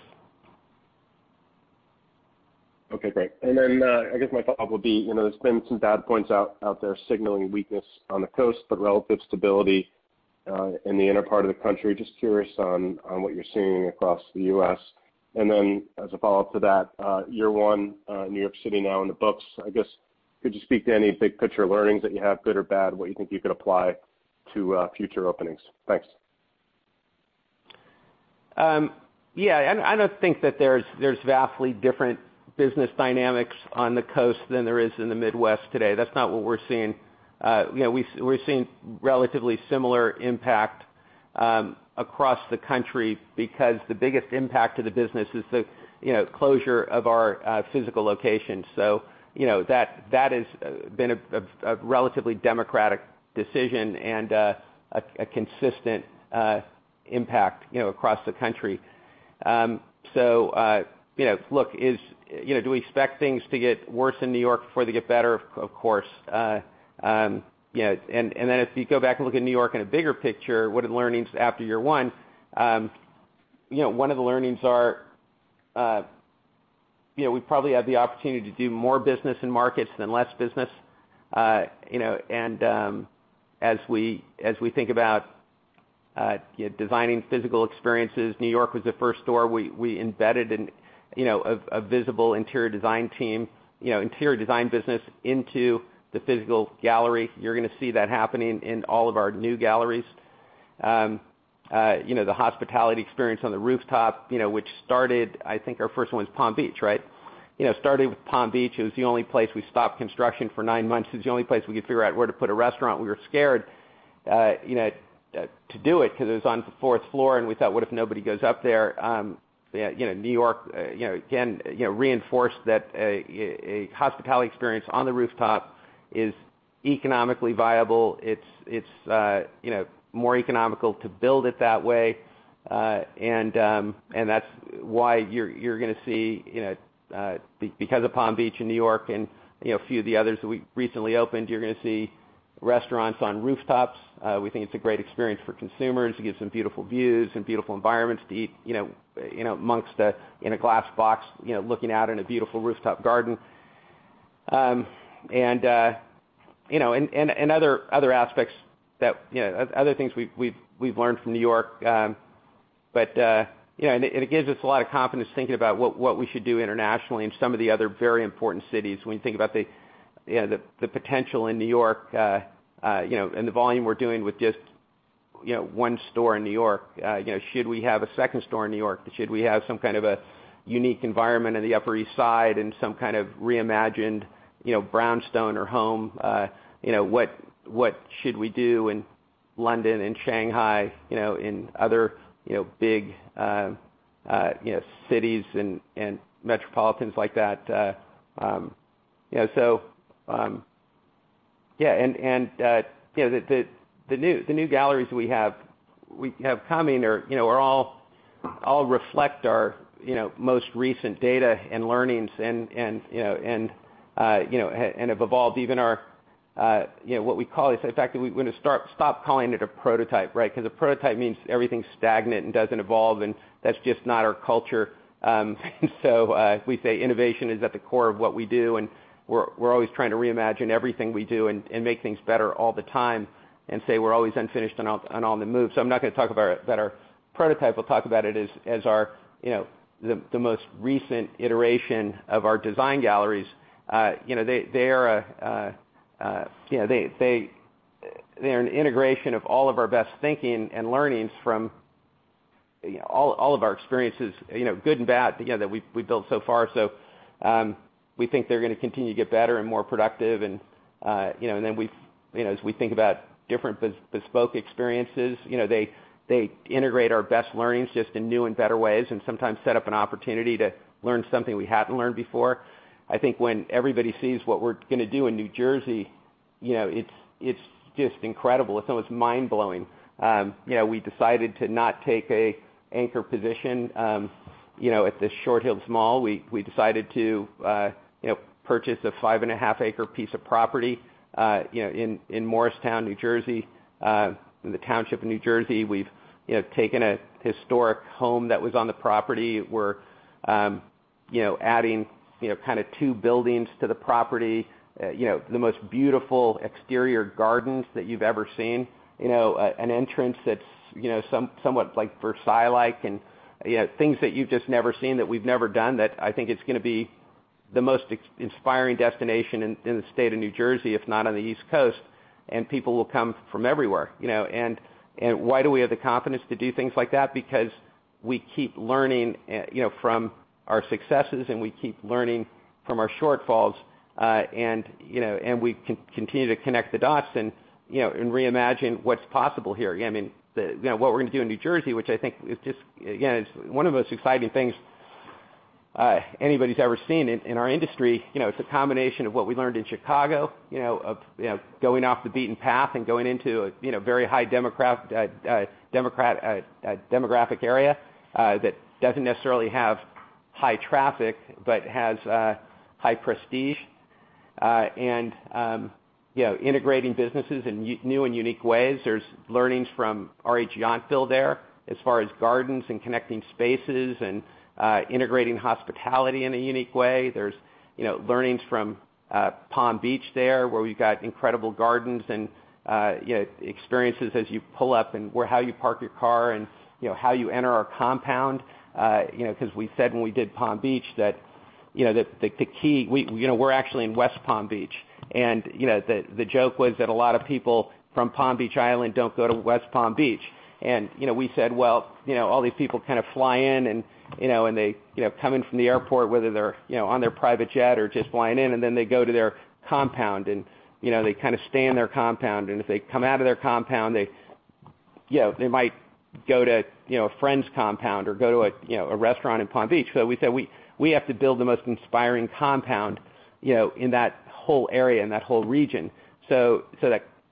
Okay, great. Then, I guess my follow-up will be, there's been some data points out there signaling weakness on the coast, but relative stability in the inner part of the country. Just curious on what you're seeing across the U.S. Then as a follow-up to that, year one, New York City now in the books. I guess, could you speak to any big picture learnings that you have, good or bad? What you think you could apply to future openings? Thanks. Yeah. I don't think that there's vastly different business dynamics on the coast than there is in the Midwest today. That's not what we're seeing. We're seeing relatively similar impact across the country because the biggest impact to the business is the closure of our physical location. That has been a relatively democratic decision and a consistent impact across the country. Look, do we expect things to get worse in New York before they get better? Of course. If you go back and look at New York in a bigger picture, what are the learnings after year one? One of the learnings are, we probably have the opportunity to do more business in markets than less business. As we think about designing physical experiences, New York was the first store we embedded a visible interior design business into the physical gallery. You're going to see that happening in all of our new galleries. The hospitality experience on the rooftop, which started, I think our first one's Palm Beach, right? Starting with Palm Beach, it was the only place we stopped construction for nine months. It's the only place we could figure out where to put a restaurant. We were scared to do it because it was on the fourth floor, and we thought, what if nobody goes up there? New York again reinforced that a hospitality experience on the rooftop is economically viable. It's more economical to build it that way. That's why you're going to see, because of Palm Beach and New York and a few of the others that we recently opened, you're going to see restaurants on rooftops. We think it's a great experience for consumers. It gives them beautiful views and beautiful environments to eat amongst in a glass box, looking out in a beautiful rooftop garden. Other things we've learned from New York. It gives us a lot of confidence thinking about what we should do internationally in some of the other very important cities when you think about the potential in New York and the volume we're doing with just one store in New York. Should we have a second store in New York? Should we have some kind of a unique environment in the Upper East Side and some kind of reimagined brownstone or home? What should we do in London and Shanghai, in other big cities and metropolitans like that? The new galleries we have coming all reflect our most recent data and learnings and have evolved even our, what we call. We're going to stop calling it a prototype. A prototype means everything's stagnant and doesn't evolve, and that's just not our culture. We say innovation is at the core of what we do, and we're always trying to reimagine everything we do and make things better all the time and say we're always unfinished and on the move. I'm not going to talk about our prototype. We'll talk about it as the most recent iteration of our design galleries. They're an integration of all of our best thinking and learnings from all of our experiences, good and bad, that we've built so far. We think they're going to continue to get better and more productive. As we think about different bespoke experiences, they integrate our best learnings just in new and better ways, and sometimes set up an opportunity to learn something we haven't learned before. I think when everybody sees what we're going to do in New Jersey, it's just incredible. It's almost mind-blowing. We decided to not take an anchor position at this Short Hills Mall. We decided to purchase a five and a half acre piece of property in Morristown, New Jersey, in the township of New Jersey. We've taken a historic home that was on the property. We're adding kind of two buildings to the property. The most beautiful exterior gardens that you've ever seen. An entrance that's somewhat Versailles-like, and things that you've just never seen, that we've never done. I think it's going to be the most inspiring destination in the state of New Jersey, if not on the East Coast, and people will come from everywhere. Why do we have the confidence to do things like that? Because we keep learning from our successes, and we keep learning from our shortfalls. We continue to connect the dots and reimagine what's possible here. What we're going to do in New Jersey, which I think is just one of the most exciting things anybody's ever seen in our industry. It's a combination of what we learned in Chicago, of going off the beaten path and going into a very high demographic area, that doesn't necessarily have high traffic but has high prestige. Integrating businesses in new and unique ways. There's learnings from RH Yountville there as far as gardens and connecting spaces and integrating hospitality in a unique way. There's learnings from Palm Beach there, where we've got incredible gardens and experiences as you pull up and how you park your car and how you enter our compound. We said when we did Palm Beach that we're actually in West Palm Beach, and the joke was that a lot of people from Palm Beach Island don't go to West Palm Beach. We said, all these people kind of fly in and they come in from the airport, whether they're on their private jet or just flying in, and then they go to their compound and they kind of stay in their compound. If they come out of their compound, they might go to a friend's compound or go to a restaurant in Palm Beach. We said we have to build the most inspiring compound in that whole area and that whole region so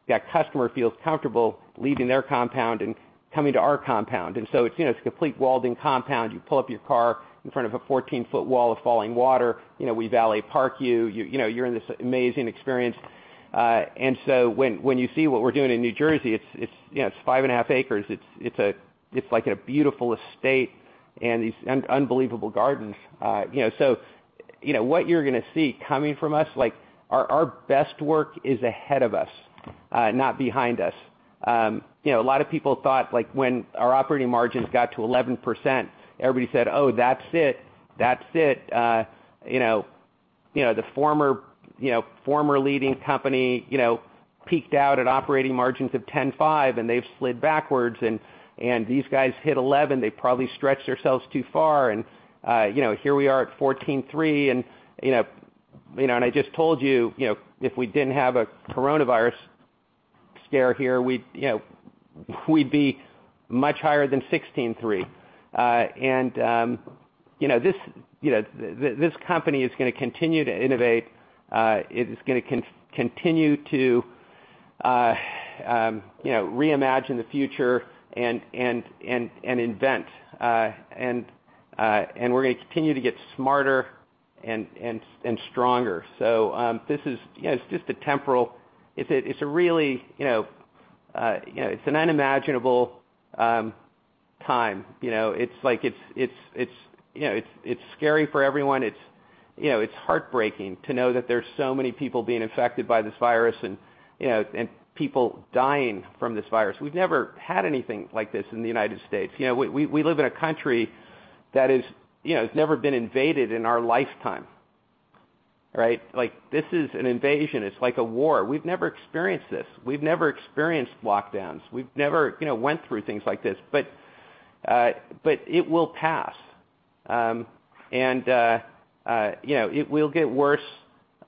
that customer feels comfortable leaving their compound and coming to our compound. It's a complete walled in compound. You pull up your car in front of a 14-foot wall of falling water. We valet park you. You're in this amazing experience. When you see what we're doing in New Jersey, it's five and a half acres. It's like a beautiful estate and these unbelievable gardens. What you're going to see coming from us, our best work is ahead of us, not behind us. A lot of people thought when our operating margins got to 11%, everybody said, "Oh, that's it." The former leading company peaked out at operating margins of 10.5%, and they've slid backwards. These guys hit 11%, they probably stretched themselves too far." Here we are at 14.3%, and I just told you if we didn't have a coronavirus scare here, we'd be much higher than 16.3%. This company is going to continue to innovate. It is going to continue to reimagine the future and invent. We're going to continue to get smarter and stronger. It's an unimaginable time. It's scary for everyone. It's heartbreaking to know that there's so many people being affected by this virus and people dying from this virus. We've never had anything like this in the U.S. We live in a country that has never been invaded in our lifetime, right? This is an invasion. It's like a war. We've never experienced this. We've never experienced lockdowns. We've never went through things like this. It will pass. It will get worse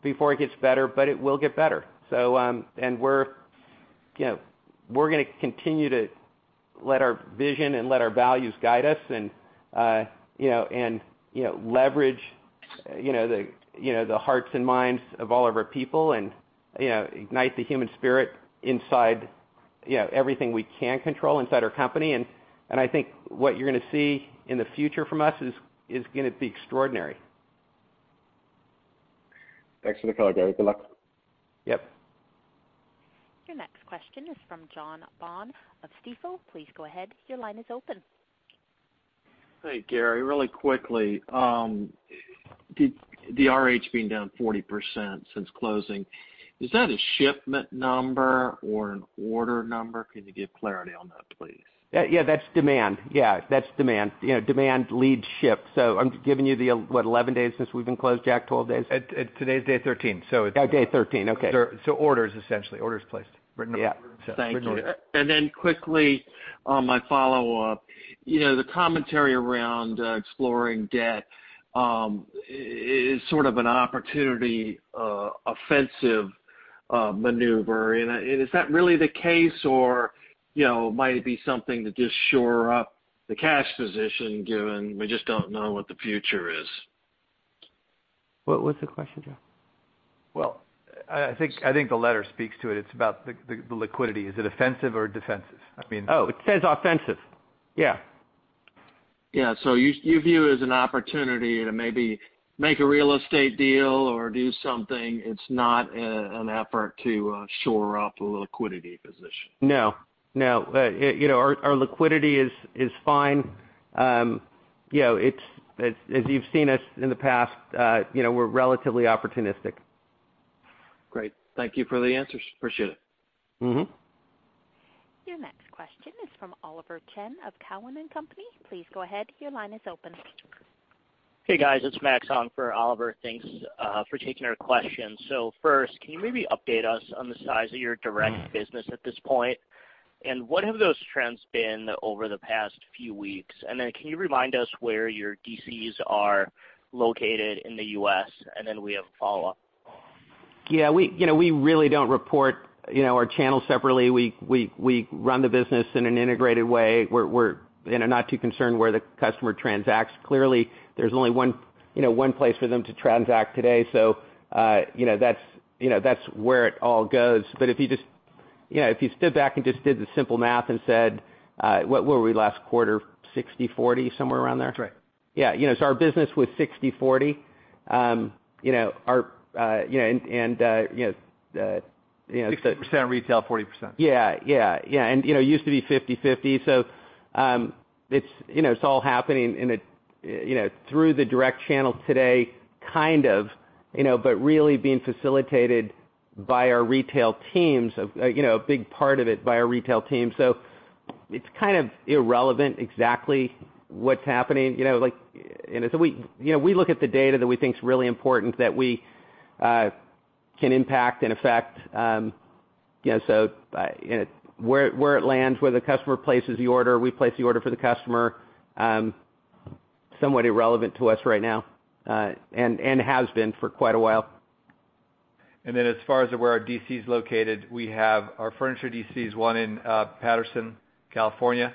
before it gets better, but it will get better. We're going to continue to let our vision and let our values guide us and leverage the hearts and minds of all of our people and ignite the human spirit inside everything we can control inside our company. I think what you're going to see in the future from us is going to be extraordinary. Thanks for the color, Gary. Good luck. Yep. Your next question is from John Baugh of Stifel Financial. Please go ahead. Your line is open. Hey, Gary. Really quickly, the RH being down 40% since closing, is that a shipment number or an order number? Can you give clarity on that, please? Yeah. That's demand. Yeah. That's demand. Demand leads ship. I'm giving you the, what, 11 days since we've been closed, Jack, 12 days? Today's day 13. Day 13. Okay. Orders, essentially, orders placed. Written orders. Thank you. Quickly, my follow-up. The commentary around exploring debt is sort of an opportunity, offensive maneuver. Is that really the case or might it be something to just shore up the cash position, given we just don't know what the future is? What's the question, Jack? Well, I think the letter speaks to it. It's about the liquidity. Is it offensive or defensive? I mean. Oh, it says offensive. Yeah. Yeah. You view it as an opportunity to maybe make a real estate deal or do something. It's not an effort to shore up a liquidity position. No. Our liquidity is fine. As you've seen us in the past, we're relatively opportunistic. Great. Thank you for the answers. Appreciate it. Your next question is from Oliver Chen of TD Cowen and Company. Please go ahead. Your line is open. Hey, guys. It's Max on for Oliver. Thanks for taking our question. First, can you maybe update us on the size of your direct business at this point, and what have those trends been over the past few weeks? Then can you remind us where your DCs are located in the U.S.? Then we have a follow-up. Yeah, we really don't report our channels separately. We run the business in an integrated way. We're not too concerned where the customer transacts. Clearly, there's only one place for them to transact today. That's where it all goes. If you stood back and just did the simple math and said, what were we last quarter, 60/40, somewhere around there? That's right. Yeah. Our business was 60/40. 60% retail, 40%. Yeah. It used to be 50/50. It's all happening through the direct channel today, kind of, but really being facilitated by our retail teams, a big part of it by our retail team. It's kind of irrelevant exactly what's happening. We look at the data that we think is really important that we can impact and affect. Where it lands, where the customer places the order, we place the order for the customer, somewhat irrelevant to us right now, and has been for quite a while. As far as where our DC is located, we have our furniture DCs, one in Patterson, California,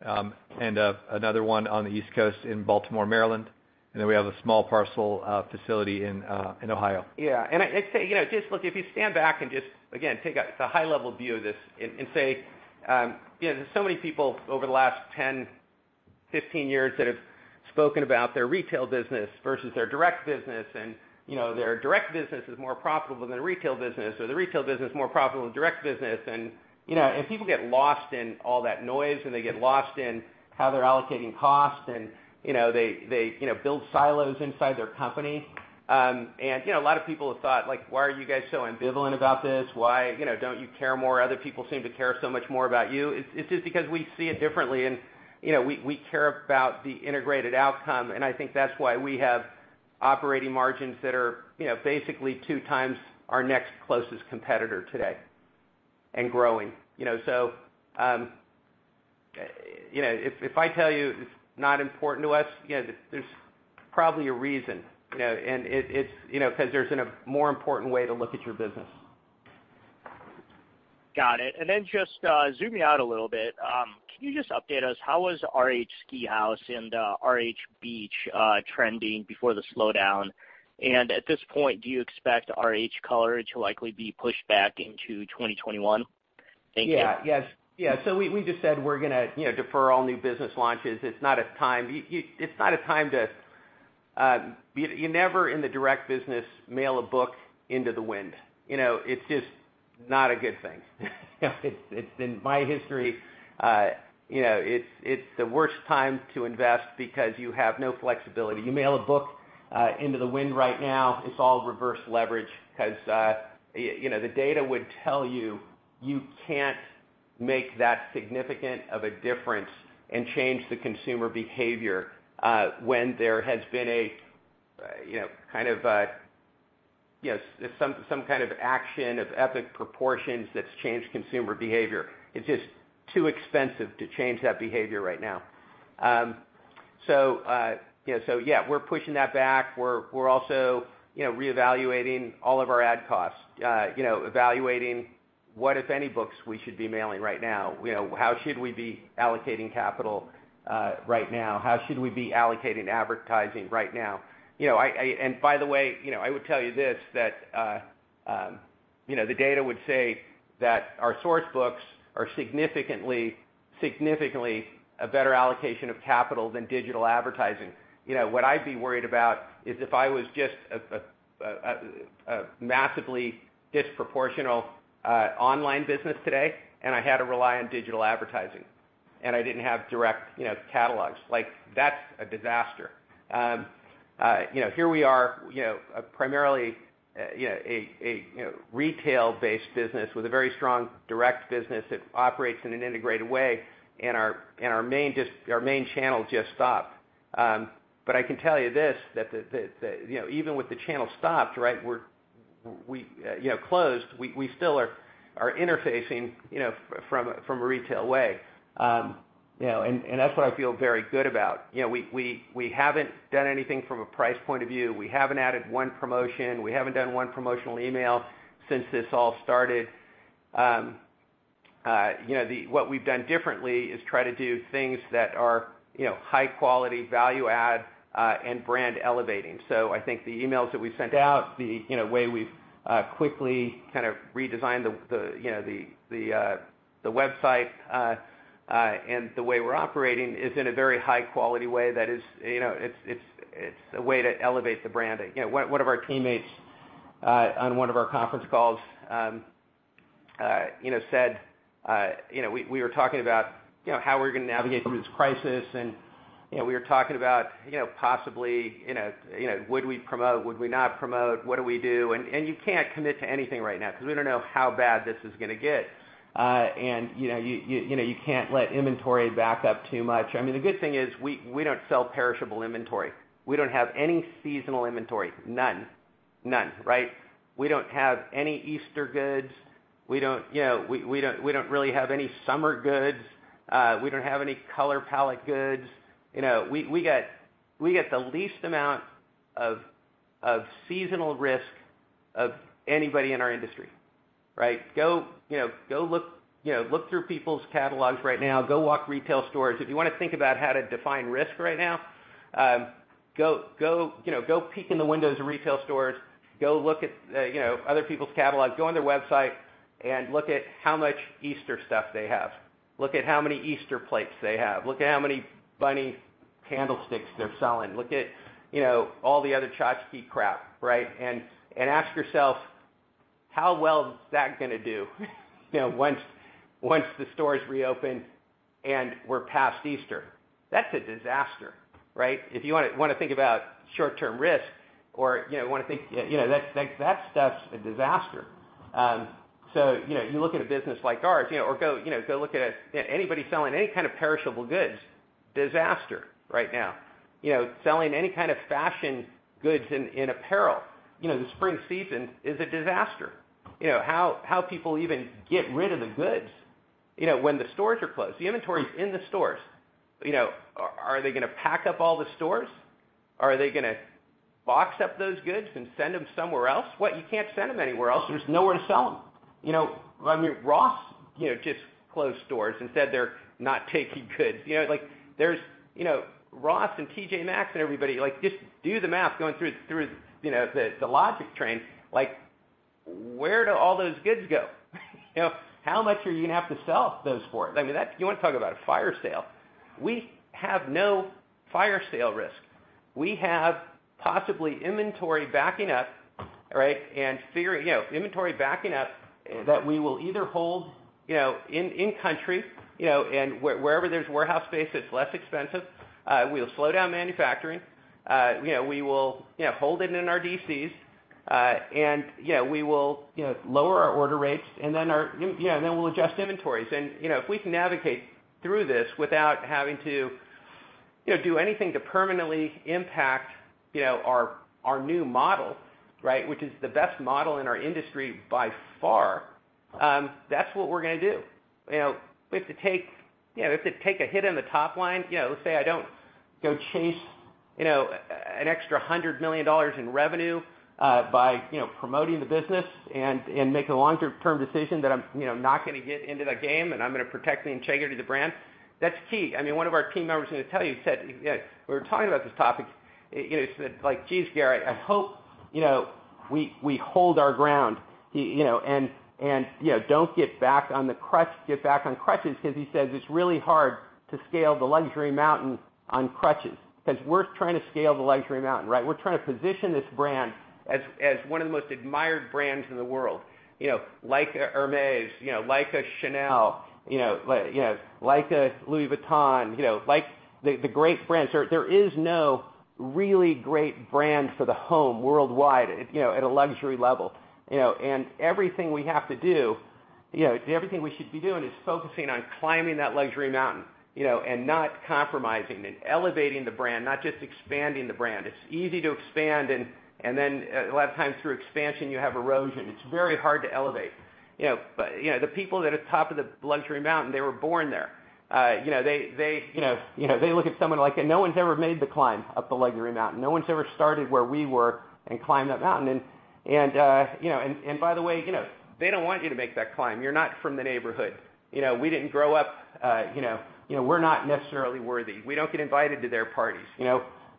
and another one on the East Coast in Baltimore, Maryland. We have a small parcel facility in Ohio. Yeah. If you stand back and just, again, take a high-level view of this and say there's so many people over the last 10, 15 years that have spoken about their retail business versus their direct business, and their direct business is more profitable than retail business, or the retail business is more profitable than direct business. People get lost in all that noise, and they get lost in how they're allocating costs, and they build silos inside their company. A lot of people have thought, "Why are you guys so ambivalent about this? Why don't you care more? Other people seem to care so much more about you." It's just because we see it differently, and we care about the integrated outcome, and I think that's why we have operating margins that are basically two times our next closest competitor today, and growing. If I tell you it's not important to us, there's probably a reason. There's a more important way to look at your business. Got it. Just zoom me out a little bit. Can you just update us, how was RH Ski House and RH Beach House trending before the slowdown? At this point, do you expect RH Color to likely be pushed back into 2021? Thank you. Yeah. We just said we're going to defer all new business launches. You never in the direct business mail a book into the wind. It's just not a good thing. In my history, it's the worst time to invest because you have no flexibility. You mail a book into the wind right now, it's all reverse leverage because the data would tell you can't make that significant of a difference and change the consumer behavior, when there has been some kind of action of epic proportions that's changed consumer behavior. It's just too expensive to change that behavior right now. Yeah, we're pushing that back. We're also reevaluating all of our ad costs. We are evaluating what if any books we should be mailing right now. How should we be allocating capital right now? How should we be allocating advertising right now? By the way, I would tell you this, that the data would say that our source books are significantly a better allocation of capital than digital advertising. What I'd be worried about is if I was just a massively disproportional online business today, and I had to rely on digital advertising, and I didn't have direct catalogs. That's a disaster. Here we are, primarily a retail-based business with a very strong direct business that operates in an integrated way, and our main channel just stopped. I can tell you this, that even with the channel stopped, right, closed, we still are interfacing from a retail way. That's what I feel very good about. We haven't done anything from a price point of view. We haven't added one promotion. We haven't done one promotional email since this all started. What we've done differently is try to do things that are high quality, value add, and brand elevating. I think the emails that we sent out, the way we've quickly kind of redesigned the website, and the way we're operating is in a very high-quality way that is a way to elevate the branding. One of our teammates on one of our conference calls said We were talking about how we were going to navigate through this crisis, and we were talking about possibly would we promote, would we not promote, what do we do? You can't commit to anything right now because we don't know how bad this is going to get. You can't let inventory back up too much. The good thing is we don't sell perishable inventory. We don't have any seasonal inventory. None. None, right? We don't have any Easter goods. We don't really have any summer goods. We don't have any color palette goods. We get the least amount of seasonal risk of anybody in our industry, right? Go look through people's catalogs right now. Go walk retail stores. If you want to think about how to define risk right now, go peek in the windows of retail stores, go look at other people's catalogs. Go on their website and look at how much Easter stuff they have. Look at how many Easter plates they have. Look at how many bunny candlesticks they're selling. Look at all the other tchotchke crap, right? Ask yourself, how well is that going to do once the stores reopen and we're past Easter? That's a disaster, right. If you want to think about short-term risk. That stuff's a disaster. You look at a business like ours, or go look at anybody selling any kind of perishable goods. Disaster right now. Selling any kind of fashion goods in apparel. The spring season is a disaster. How people even get rid of the goods when the stores are closed? The inventory's in the stores. Are they going to pack up all the stores? Are they going to box up those goods and send them somewhere else? What? You can't send them anywhere else. There's nowhere to sell them. Ross Stores just closed stores and said they're not taking goods. Ross Stores and T.J.Maxx and everybody, just do the math going through the logic train. Where do all those goods go? How much are you going to have to sell those for? You want to talk about a fire sale. We have no fire sale risk. We have possibly inventory backing up, right? Inventory backing up that we will either hold in country, and wherever there's warehouse space that's less expensive. We'll slow down manufacturing. We will hold it in our DCs. We will lower our order rates and then we'll adjust inventories. If we can navigate through this without having to do anything to permanently impact our new model, right, which is the best model in our industry by far, that's what we're going to do. If we have to take a hit on the top line, let's say I don't go chase an extra $100 million in revenue by promoting the business and make a longer-term decision that I'm not going to get into that game, and I'm going to protect the integrity of the brand, that's key. One of our team members was going to tell you, said, we were talking about this topic, said, "Jeez, Gary, I hope we hold our ground, and don't get back on crutches," he says it's really hard to scale the luxury mountain on crutches. We're trying to scale the luxury mountain, right? We're trying to position this brand as one of the most admired brands in the world. Like a Hermès, like a Chanel, like a Louis Vuitton. Like the great brands. There is no really great brand for the home worldwide at a luxury level. Everything we have to do, everything we should be doing is focusing on climbing that luxury mountain, and not compromising and elevating the brand, not just expanding the brand. It's easy to expand, and then a lot of times through expansion, you have erosion. It's very hard to elevate. The people that are top of the luxury mountain, they were born there. No one's ever made the climb up the luxury mountain. No one's ever started where we were and climbed that mountain. By the way, they don't want you to make that climb. You're not from the neighborhood. We didn't grow up. We're not necessarily worthy. We don't get invited to their parties.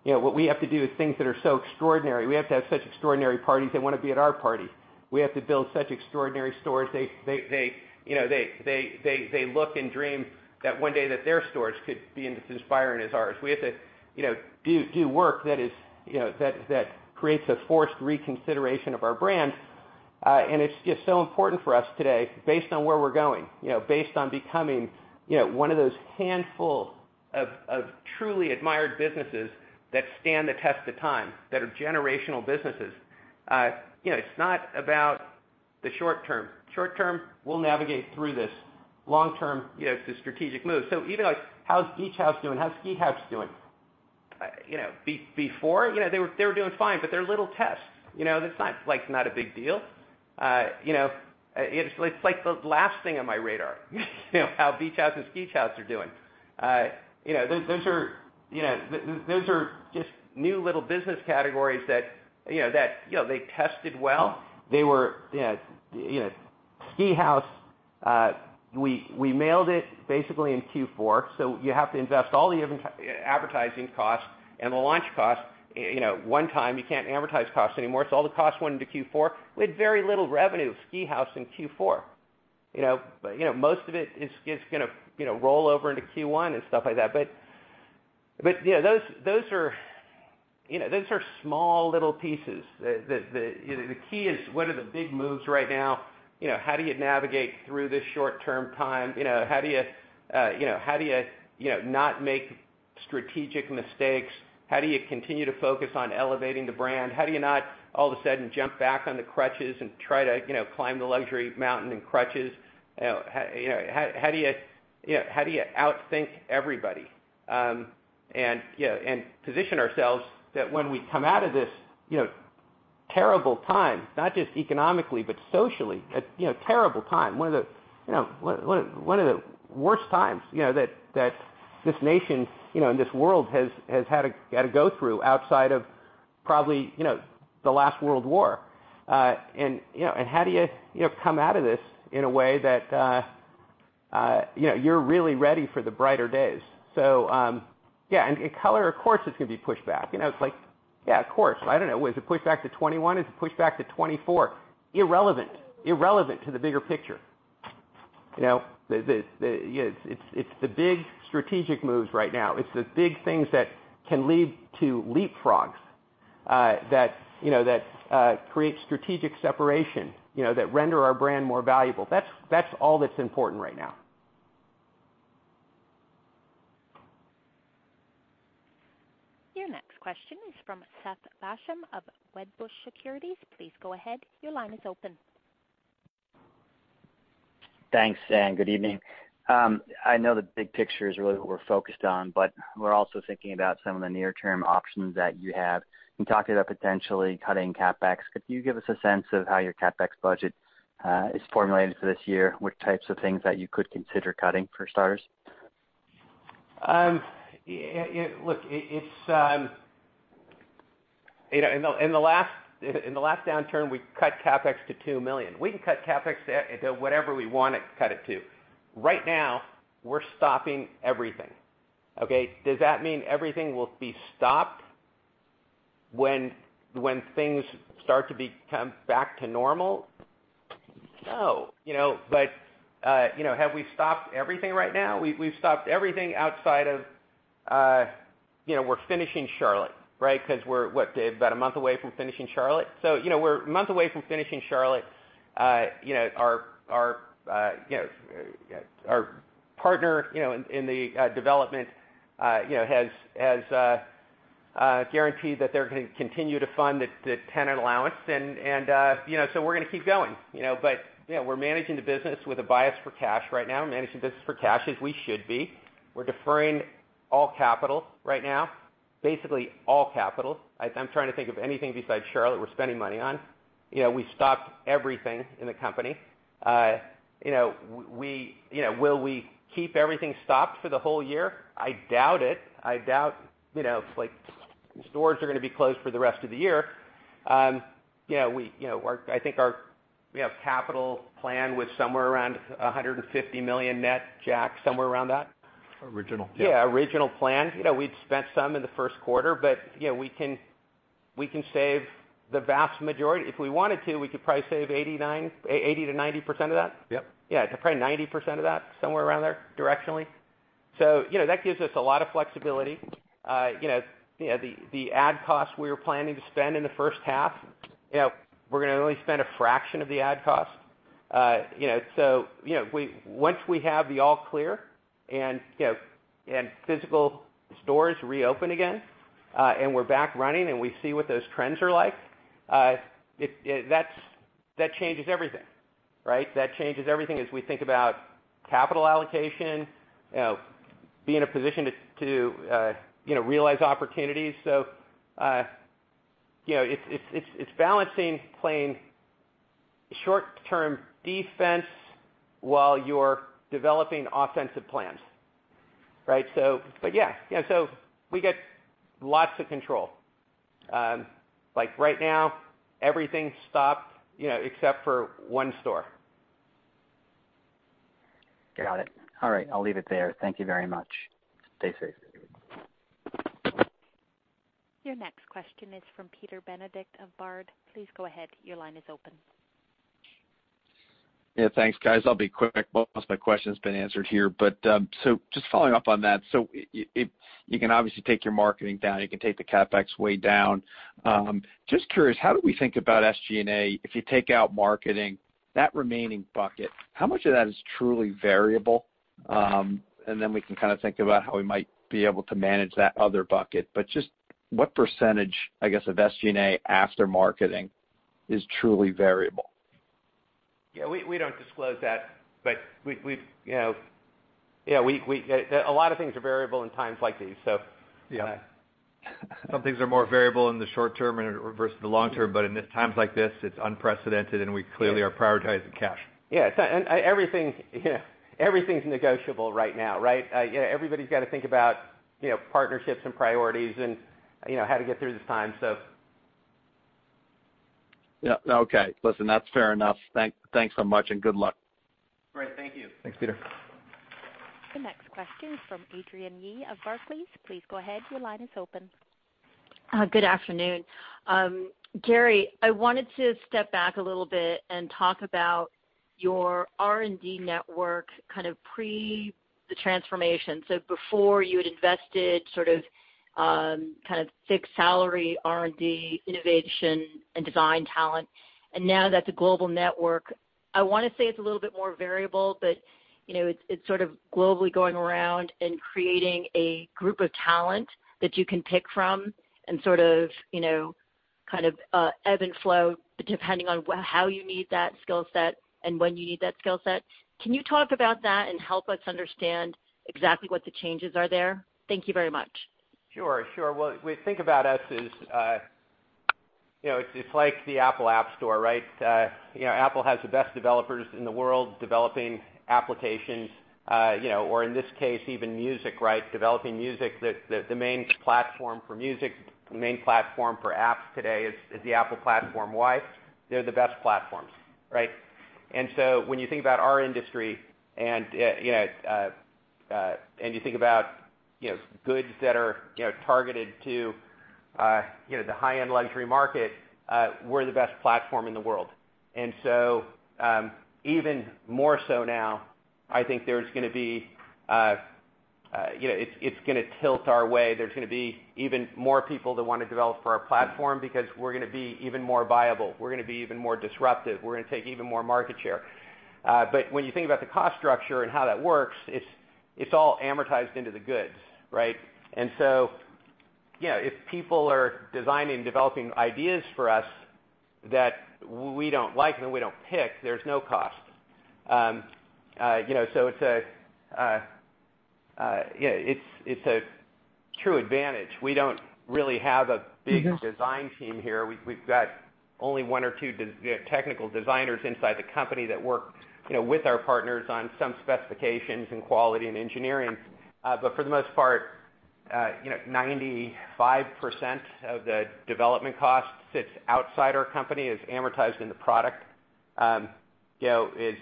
What we have to do is things that are so extraordinary. We have to have such extraordinary parties, they want to be at our party. We have to build such extraordinary stores, they look and dream that one day that their stores could be as inspiring as ours. We have to do work that creates a forced reconsideration of our brand. It's just so important for us today based on where we're going, based on becoming one of those handful of truly admired businesses that stand the test of time, that are generational businesses. It's not about the short term. Short term, we'll navigate through this. Long term, it's a strategic move. Even like, how's Beach House doing? How's Ski House doing? Before, they were doing fine, but they're little tests. That's not a big deal. It's like the last thing on my radar, how Beach House and Ski House are doing. Those are just new little business categories that they tested well. Ski House, we mailed it basically in Q4, you have to invest all the advertising costs and the launch costs one time. You can't advertise costs anymore. All the costs went into Q4. We had very little revenue of Ski House in Q4. Most of it is going to roll over into Q1 and stuff like that. Those are small little pieces. The key is what are the big moves right now? How do you navigate through this short term time? How do you not make strategic mistakes? How do you continue to focus on elevating the brand? How do you not all of a sudden jump back on the crutches and try to climb the luxury mountain in crutches? How do you outthink everybody? Position ourselves that when we come out of this terrible time, not just economically, but socially, terrible time, one of the worst times that this nation and this world has had to go through outside of probably the last World War. How do you come out of this in a way that you're really ready for the brighter days? Yeah. Color, of course, it's going to be pushed back. It's like, yeah, of course. I don't know. Is it pushed back to 2021? Is it pushed back to 2024? Irrelevant. Irrelevant to the bigger picture. It's the big strategic moves right now. It's the big things that can lead to leapfrogs, that create strategic separation, that render our brand more valuable. That's all that's important right now. Your next question is from Seth Basham of Wedbush Securities. Please go ahead. Your line is open. Thanks, good evening. I know the big picture is really what we're focused on. We're also thinking about some of the near-term options that you have. You talked about potentially cutting CapEx. Could you give us a sense of how your CapEx budget is formulated for this year? Which types of things that you could consider cutting for starters? Look, in the last downturn, we cut CapEx to $2 million. We can cut CapEx to whatever we want to cut it to. Right now, we're stopping everything. Okay? Does that mean everything will be stopped when things start to come back to normal? No. Have we stopped everything right now? We've stopped everything outside of finishing Charlotte, right? We're, what, Dave, about a month away from finishing Charlotte? We're a month away from finishing Charlotte. Our partner in the development has guaranteed that they're going to continue to fund the tenant allowance. We're going to keep going. We're managing the business with a bias for cash right now, managing business for cash as we should be. We're deferring all capital right now, basically all capital. I'm trying to think of anything besides Charlotte we're spending money on. We stopped everything in the company. Will we keep everything stopped for the whole year? I doubt it. I doubt stores are going to be closed for the rest of the year. I think our capital plan was somewhere around $150 million net, Jack, somewhere around that. Original. Yeah, original plan. We'd spent some in the first quarter, but we can save the vast majority. If we wanted to, we could probably save 80%-90% of that. Yep. Yeah. Probably 90% of that, somewhere around there directionally. That gives us a lot of flexibility. The ad costs we were planning to spend in the first half, we're going to only spend a fraction of the ad cost. Once we have the all clear and physical stores reopen again, and we're back running and we see what those trends are like, that changes everything. Right? That changes everything as we think about capital allocation, be in a position to realize opportunities. It's balancing playing short-term defense while you're developing offensive plans. Right? Yeah. We get lots of control. Like right now, everything's stopped except for one store. Got it. All right, I'll leave it there. Thank you very much. Stay safe. Your next question is from Peter Benedict of Robert W. Baird & Co. Please go ahead. Your line is open. Yeah. Thanks, guys. I'll be quick. Most of my question's been answered here. Just following up on that, you can obviously take your marketing down, you can take the CapEx way down. Just curious, how do we think about SG&A if you take out marketing, that remaining bucket, how much of that is truly variable? We can kind of think about how we might be able to manage that other bucket. Just what percentage, I guess, of SG&A after marketing is truly variable? Yeah. We don't disclose that, but a lot of things are variable in times like these, so yeah. Some things are more variable in the short term versus the long term, but in times like this, it's unprecedented and we clearly are prioritizing cash. Yeah. Everything's negotiable right now, right? Everybody's got to think about partnerships and priorities and how to get through this time. Yeah. Okay. Listen, that's fair enough. Thanks so much and good luck. Great. Thank you. Thanks, Peter. The next question is from Adrienne Yih of Barclays. Please go ahead. Your line is open. Good afternoon. Gary, I wanted to step back a little bit and talk about your R&D network pre the transformation. Before you had invested sort of fixed salary R&D, innovation and design talent, and now that's a global network. I want to say it's a little bit more variable, but it's sort of globally going around and creating a group of talent that you can pick from and sort of ebb and flow depending on how you need that skill set and when you need that skill set. Can you talk about that and help us understand exactly what the changes are there? Thank you very much. Sure. Well, think about us as it's like the Apple App Store, right? Apple has the best developers in the world developing applications, or in this case, even music, right? Developing music. The main platform for music, the main platform for apps today is the Apple platform. Why? They're the best platforms, right? When you think about our industry and you think about goods that are targeted to the high-end luxury market, we're the best platform in the world. Even more so now, I think it's going to tilt our way. There's going to be even more people that want to develop for our platform because we're going to be even more viable. We're going to be even more disruptive. We're going to take even more market share. When you think about the cost structure and how that works, it's all amortized into the goods, right? If people are designing and developing ideas for us that we don't like and we don't pick, there's no cost. It's a true advantage. We don't really have a big design team here. We've got only one or two technical designers inside the company that work with our partners on some specifications and quality and engineering. For the most part, 95% of the development cost sits outside our company is amortized in the product. It's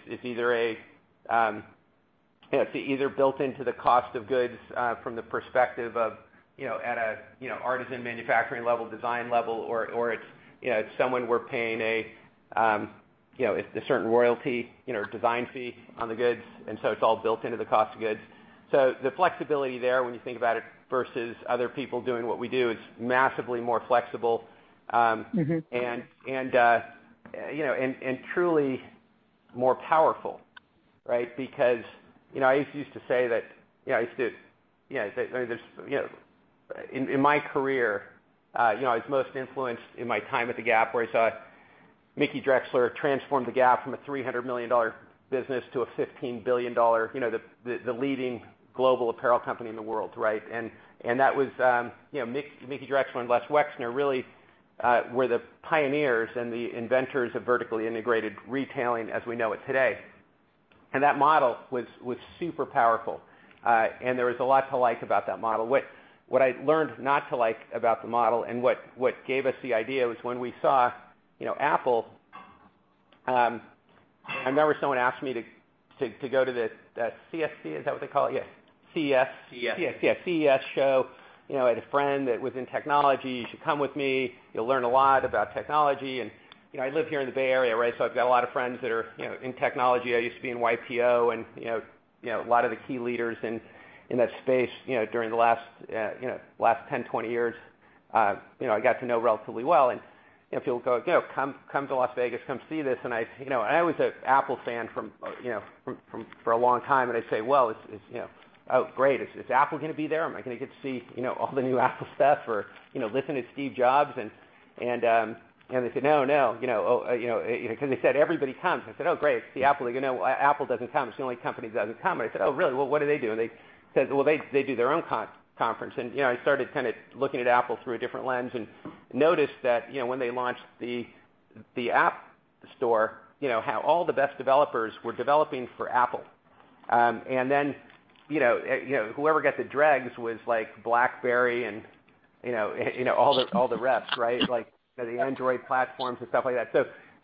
either built into the cost of goods from the perspective of at an artisan manufacturing level, design level, or it's someone we're paying a certain royalty design fee on the goods. It's all built into the cost of goods. The flexibility there, when you think about it versus other people doing what we do, is massively more flexible. Truly more powerful, right? I used to say that in my career, I was most influenced in my time at the Gap, where I saw Mickey Drexler transform the Gap from a $300 million business to a $15 billion, the leading global apparel company in the world, right? That was Mickey Drexler and Les Wexner really were the pioneers and the inventors of vertically integrated retailing as we know it today. That model was super powerful. There was a lot to like about that model. What I learned not to like about the model and what gave us the idea was when we saw Apple. I remember someone asked me to go to the CES, is that what they call it? Yeah. CES. CES. Yeah. CES Show. I had a friend that was in technology. You should come with me. You'll learn a lot about technology. I live here in the Bay Area, right? I've got a lot of friends that are in technology. I used to be in YPO and a lot of the key leaders in that space during the last 10, 20 years. I got to know relatively well. People go, Come to Las Vegas. Come see this. I was an Apple fan for a long time, and I say, Well, oh, great. Is Apple going to be there? Am I going to get to see all the new Apple stuff or listen to Steve Jobs? They said, No. Because they said everybody comes. I said, Oh, great. Apple. They go, No, Apple doesn't come. It's the only company that doesn't come. I said, Oh, really? Well, what do they do? They said, "Well, they do their own conference." I started looking at Apple through a different lens and noticed that when they launched the App Store, how all the best developers were developing for Apple. Whoever got the dregs was BlackBerry and all the rest, right? Like the Android platforms and stuff like that.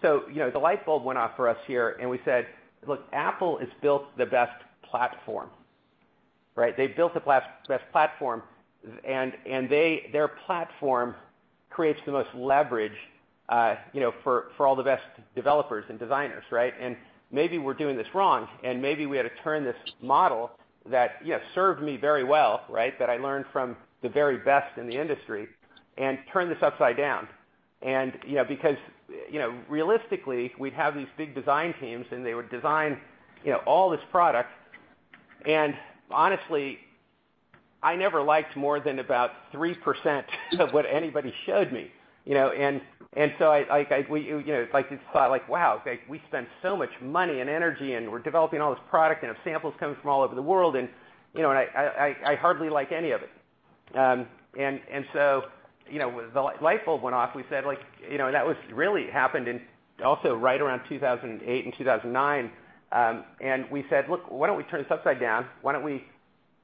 The light bulb went off for us here, and we said, "Look, Apple has built the best platform." Right? They've built the best platform, and their platform creates the most leverage for all the best developers and designers, right? Maybe we're doing this wrong, and maybe we had to turn this model that, yes, served me very well, right, that I learned from the very best in the industry, and turn this upside down. Because realistically, we'd have these big design teams, and they would design all this product. Honestly, I never liked more than about 3% of what anybody showed me. I just thought, like, wow, we spend so much money and energy, and we're developing all this product, and samples coming from all over the world, and I hardly like any of it. The light bulb went off. That was really happened in also right around 2008 and 2009. We said, "Look, why don't we turn this upside down? Why don't we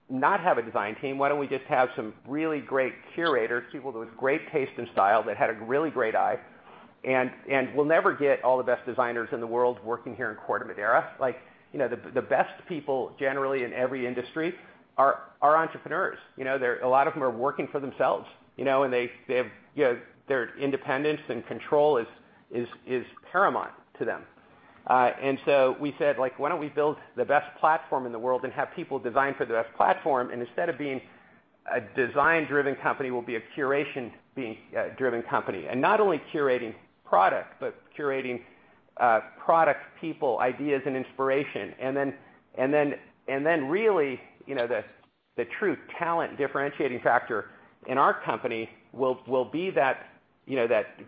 not have a design team? Why don't we just have some really great curators, people with great taste and style, that had a really great eye?" We'll never get all the best designers in the world working here in Corte Madera. The best people, generally in every industry, are entrepreneurs. A lot of them are working for themselves, and their independence and control is paramount to them. We said, "Why don't we build the best platform in the world and have people design for the best platform?" Instead of being a design-driven company, we'll be a curation-driven company. Not only curating product, but curating product, people, ideas, and inspiration. Really, the true talent differentiating factor in our company will be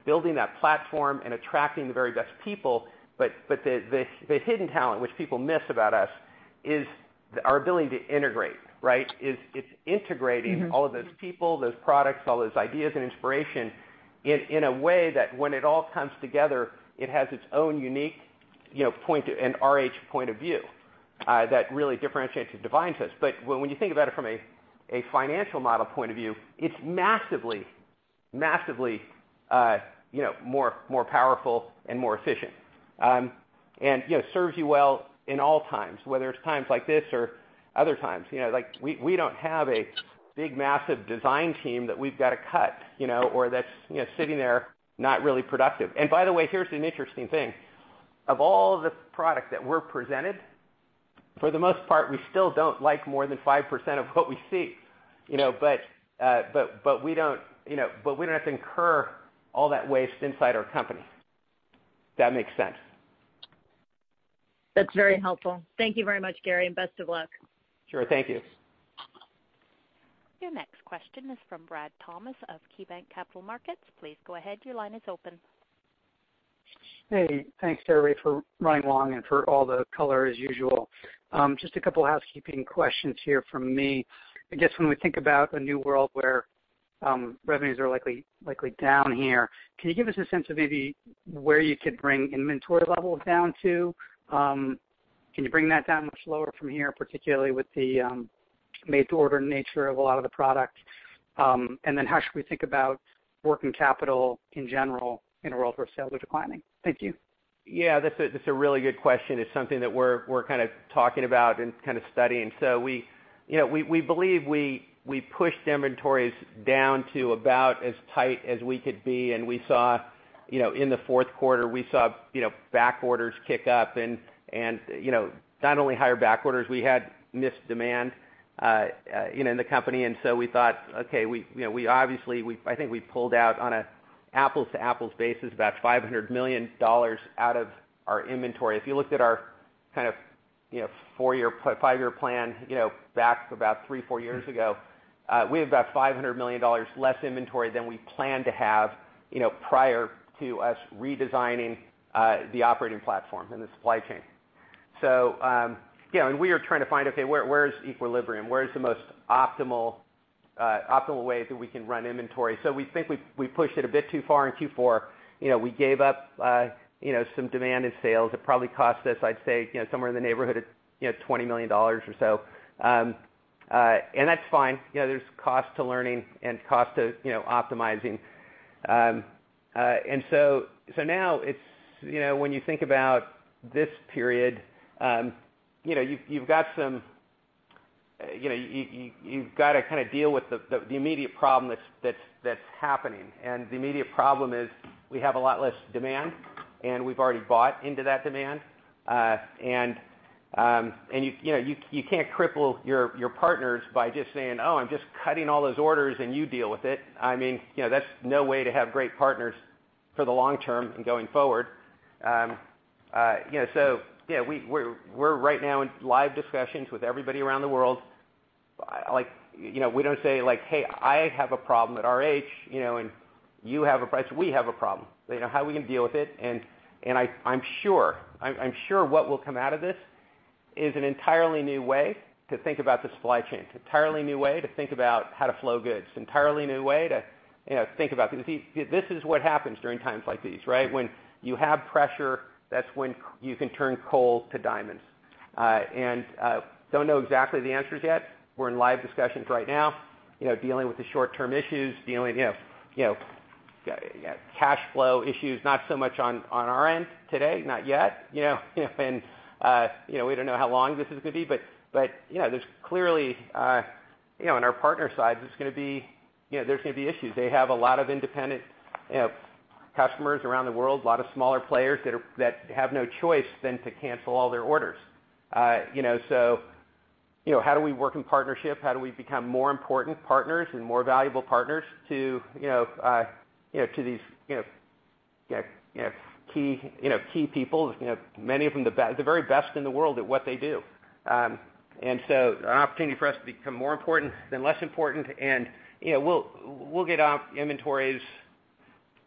building that platform and attracting the very best people. The hidden talent, which people miss about us, is our ability to integrate, right? It's integrating all of those people, those products, all those ideas and inspiration in a way that when it all comes together, it has its own unique RH point of view that really differentiates and defines us. When you think about it from a financial model point of view, it's massively more powerful and more efficient. Serves you well in all times, whether it's times like this or other times. We don't have a big, massive design team that we've got to cut or that's sitting there not really productive. By the way, here's an interesting thing. Of all the product that we're presented, for the most part, we still don't like more than 5% of what we see. We don't have to incur all that waste inside our company. If that makes sense. That's very helpful. Thank you very much, Gary, and best of luck. Sure. Thank you. Your next question is from Bradley Thomas of KeyBanc Capital Markets. Please go ahead. Your line is open. Hey, thanks, Gary, for running long and for all the color as usual. Just a couple housekeeping questions here from me. I guess when we think about a new world where revenues are likely down here, can you give us a sense of maybe where you could bring inventory levels down to? Can you bring that down much lower from here, particularly with the made-to-order nature of a lot of the product? How should we think about working capital in general in a world where sales are declining? Thank you. Yeah, that's a really good question. It's something that we're talking about and studying. We believe we pushed inventories down to about as tight as we could be, and in the fourth quarter, we saw back orders kick up and not only higher back orders, we had missed demand in the company. We thought, okay, I think I pulled out on an apples-to-apples basis, about $500 million out of our inventory. If you looked at our five-year plan back about three, four years ago, we have about $500 million less inventory than we planned to have prior to us redesigning the operating platform and the supply chain. We are trying to find, okay, where is equilibrium? Where is the most optimal way that we can run inventory? We think we pushed it a bit too far in Q4. We gave up some demand in sales. It probably cost us, I'd say, somewhere in the neighborhood of $20 million or so. That's fine. There's cost to learning and cost to optimizing. Now, when you think about this period, you've got to deal with the immediate problem that's happening. The immediate problem is we have a lot less demand, and we've already bought into that demand. You can't cripple your partners by just saying, "Oh, I'm just cutting all those orders, and you deal with it." That's no way to have great partners for the long term in going forward. We're right now in live discussions with everybody around the world. We don't say, "Hey, I have a problem at RH, and you have a price. We have a problem. How are we going to deal with it? I'm sure what will come out of this is an entirely new way to think about the supply chain, entirely new way to think about how to flow goods. Because this is what happens during times like these, right? When you have pressure, that's when you can turn coal to diamonds. Don't know exactly the answers yet. We're in live discussions right now, dealing with the short-term issues, dealing with cash flow issues, not so much on our end today, not yet. We don't know how long this is going to be, but there's clearly on our partner side, there's going to be issues. They have a lot of independent customers around the world, a lot of smaller players that have no choice than to cancel all their orders. How do we work in partnership? How do we become more important partners and more valuable partners to these key people, many of them the very best in the world at what they do. An opportunity for us to become more important than less important and, we'll get off inventories.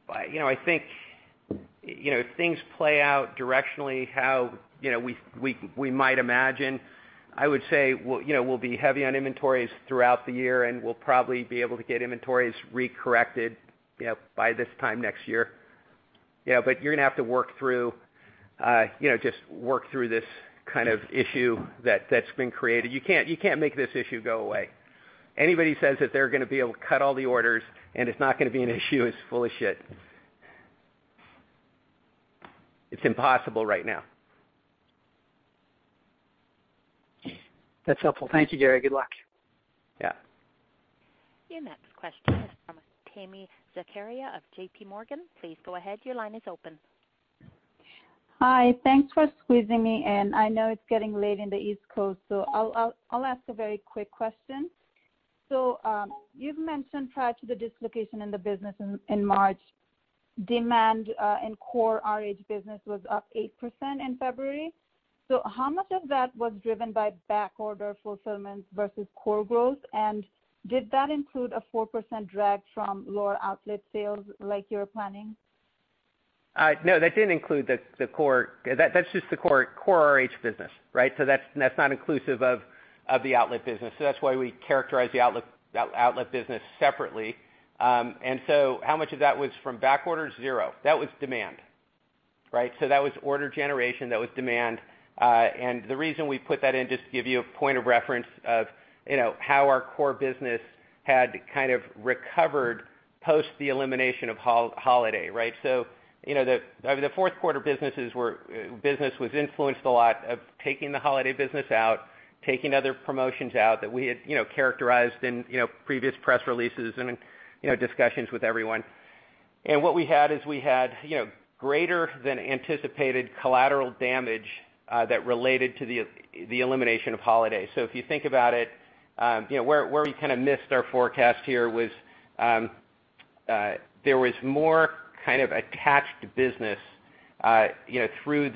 I think, if things play out directionally how we might imagine, I would say, we'll be heavy on inventories throughout the year, and we'll probably be able to get inventories re-corrected by this time next year. You're going to have to just work through this kind of issue that's been created. You can't make this issue go away. Anybody says that they're going to be able to cut all the orders and it's not going to be an issue is full of shit. It's impossible right now. That's helpful. Thank you, Gary. Good luck. Yeah. Your next question is from Tami Zakaria of JPMorgan. Please go ahead. Your line is open. Hi. Thanks for squeezing me in. I know it's getting late in the East Coast, I'll ask a very quick question. You've mentioned prior to the dislocation in the business in March, demand in core RH business was up 8% in February. How much of that was driven by back order fulfillments versus core growth? Did that include a 4% drag from lower outlet sales like you were planning? No, that didn't include the core. That's just the core RH business, right? That's not inclusive of the outlet business. That's why we characterize the outlet business separately. How much of that was from back orders? Zero. That was demand. Right? That was order generation, that was demand. The reason we put that in, just to give you a point of reference of how our core business had kind of recovered post the elimination of holiday, right? The fourth quarter business was influenced a lot of taking the holiday business out, taking other promotions out that we had characterized in previous press releases and discussions with everyone. What we had is we had greater than anticipated collateral damage that related to the elimination of holiday. If you think about it, where we kind of missed our forecast here was, there was more kind of attached business through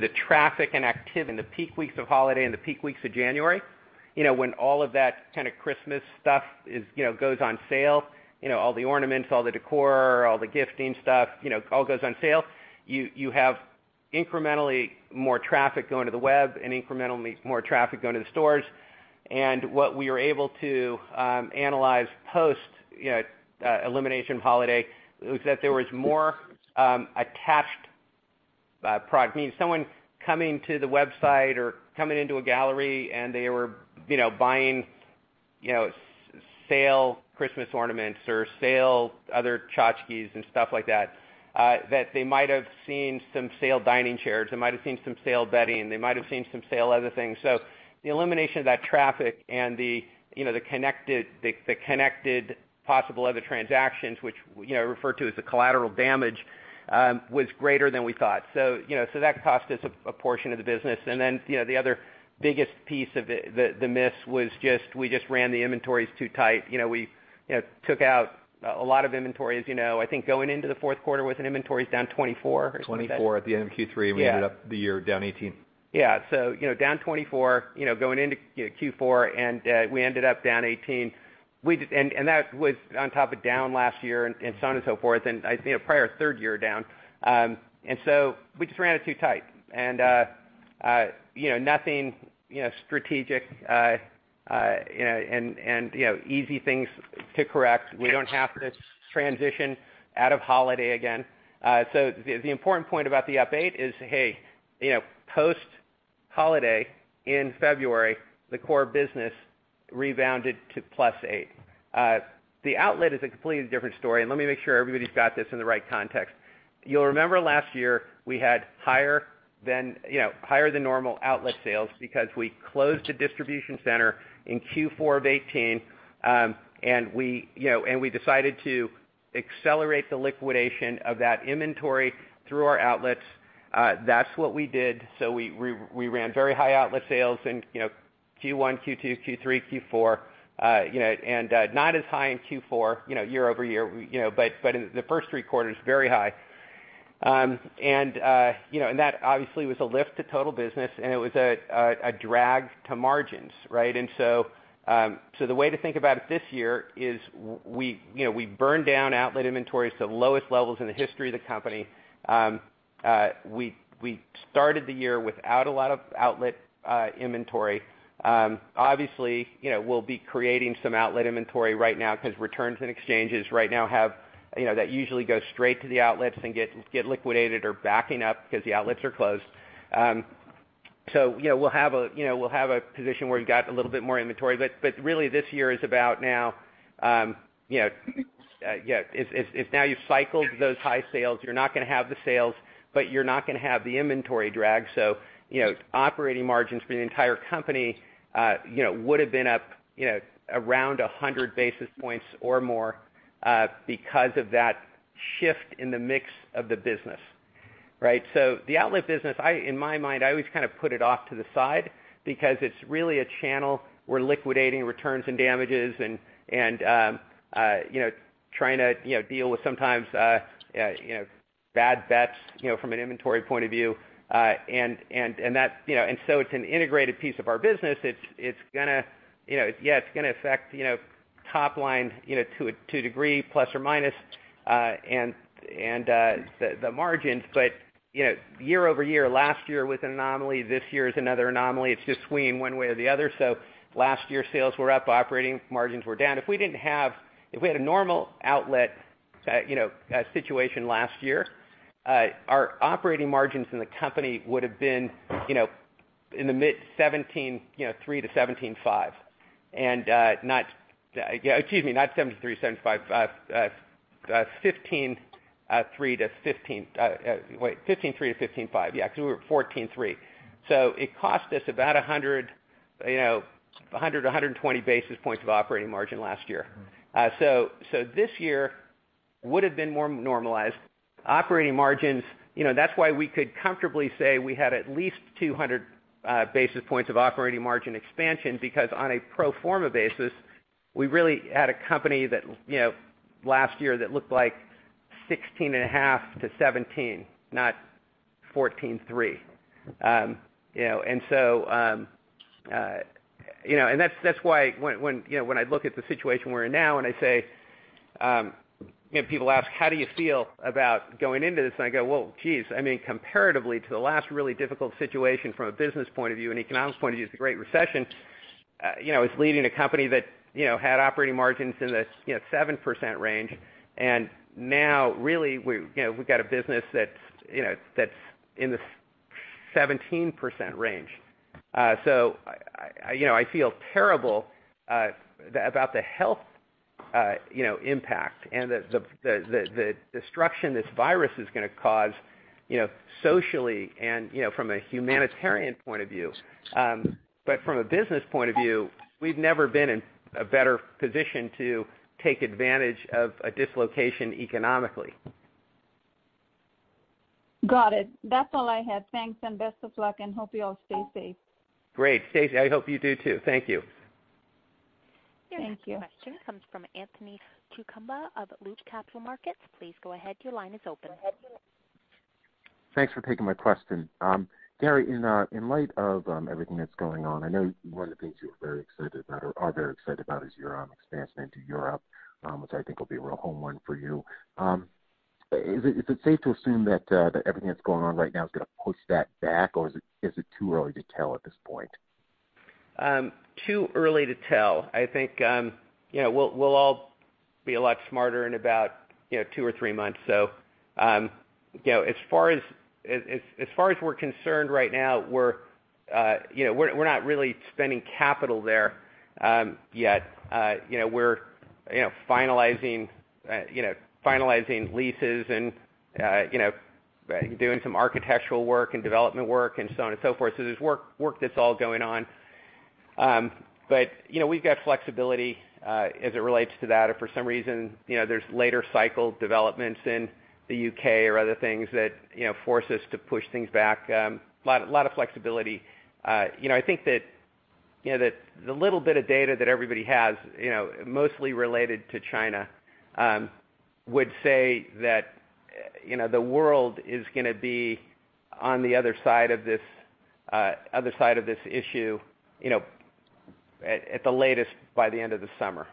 the traffic and activity in the peak weeks of holiday and the peak weeks of January. When all of that kind of Christmas stuff goes on sale, all the ornaments, all the decor, all the gifting stuff, all goes on sale. You have incrementally more traffic going to the web and incrementally more traffic going to the stores. What we are able to analyze post elimination holiday was that there was more attached product. Meaning someone coming to the website or coming into a gallery and they were buying sale Christmas ornaments or sale other tchotchkes and stuff like that they might have seen some sale dining chairs, they might have seen some sale bedding, they might have seen some sale other things. The elimination of that traffic and the connected possible other transactions, which I refer to as the collateral damage, was greater than we thought. That cost us a portion of the business. The other biggest piece of the miss was just, we just ran the inventories too tight. We took out a lot of inventories. I think going into the fourth quarter with an inventory is down 24% or something like that. 2024 at the end of Q3. Yeah. We ended up the year down 18%. Yeah. Down 24%, going into Q4, and we ended up down 18%. That was on top of down last year and so on and so forth. I think a prior third year down. We just ran it too tight. Nothing strategic, and easy things to correct. We don't have to transition out of holiday again. The important point about the up eight is, hey, post holiday in February, the core business rebounded to plus eight. The outlet is a completely different story. Let me make sure everybody's got this in the right context. You'll remember last year we had higher than normal outlet sales because we closed a distribution center in Q4 of 2018. We decided to accelerate the liquidation of that inventory through our outlets. That's what we did. We ran very high outlet sales in Q1, Q2, Q3, Q4. Not as high in Q4 year-over-year, but in the first three quarters, very high. That obviously was a lift to total business and it was a drag to margins. Right? The way to think about it this year is we burned down outlet inventories to the lowest levels in the history of the company. We started the year without a lot of outlet inventory. Obviously, we'll be creating some outlet inventory right now because returns and exchanges right now, that usually go straight to the outlets and get liquidated are backing up because the outlets are closed. We'll have a position where we've got a little bit more inventory. Really this year is about now, it's now you've cycled those high sales. You're not going to have the sales, but you're not going to have the inventory drag. Operating margins for the entire company would have been up around 100 basis points or more because of that shift in the mix of the business. Right? The outlet business, in my mind, I always kind of put it off to the side because it's really a channel. We're liquidating returns and damages and trying to deal with sometimes bad bets from an inventory point of view. It's an integrated piece of our business. It's going to affect top line to a degree, plus or minus, and the margins. Year-over-year, last year was an anomaly. This year is another anomaly. It's just swinging one way or the other. Last year, sales were up, operating margins were down. If we had a normal outlet situation last year, our operating margins in the company would have been in the mid 17.3%-17.5%. Excuse me, not 7.3%, 7.5%. 15.3%-15.5%. Yeah, because we were 14.3%. It cost us about 100-120 basis points of operating margin last year. This year would have been more normalized. Operating margins, that's why we could comfortably say we had at least 200 basis points of operating margin expansion, because on a pro forma basis, we really had a company that last year that looked like 16.5%-17%, not 14.3%. That's why when I look at the situation we're in now and people ask, "How do you feel about going into this?" I go, "Well, geez, I mean, comparatively to the last really difficult situation from a business point of view and economics point of view is the Great Recession." It's leading a company that had operating margins in the 7% range, and now really we've got a business that's in the 17% range. I feel terrible about the health impact and the destruction this virus is going to cause socially and from a humanitarian point of view. From a business point of view, we've never been in a better position to take advantage of a dislocation economically. Got it. That's all I had. Thanks and best of luck, and hope you all stay safe. Great, stay safe. I hope you do too. Thank you. Thank you. Your next question comes from Anthony Chukumba of Loop Capital. Please go ahead. Your line is open. Thanks for taking my question. Gary, in light of everything that's going on, I know one of the things you were very excited about, or are very excited about is your expansion into Europe, which I think will be a real home run for you. Is it safe to assume that everything that's going on right now is going to push that back, or is it too early to tell at this point? Too early to tell. I think we'll all be a lot smarter in about two or three months. As far as we're concerned right now, we're not really spending capital there yet. We're finalizing leases and doing some architectural work and development work and so on and so forth. There's work that's all going on. We've got flexibility as it relates to that. If for some reason there's later cycle developments in the U.K. or other things that force us to push things back, a lot of flexibility. I think that the little bit of data that everybody has, mostly related to China, would say that the world is going to be on the other side of this issue at the latest by the end of the summer.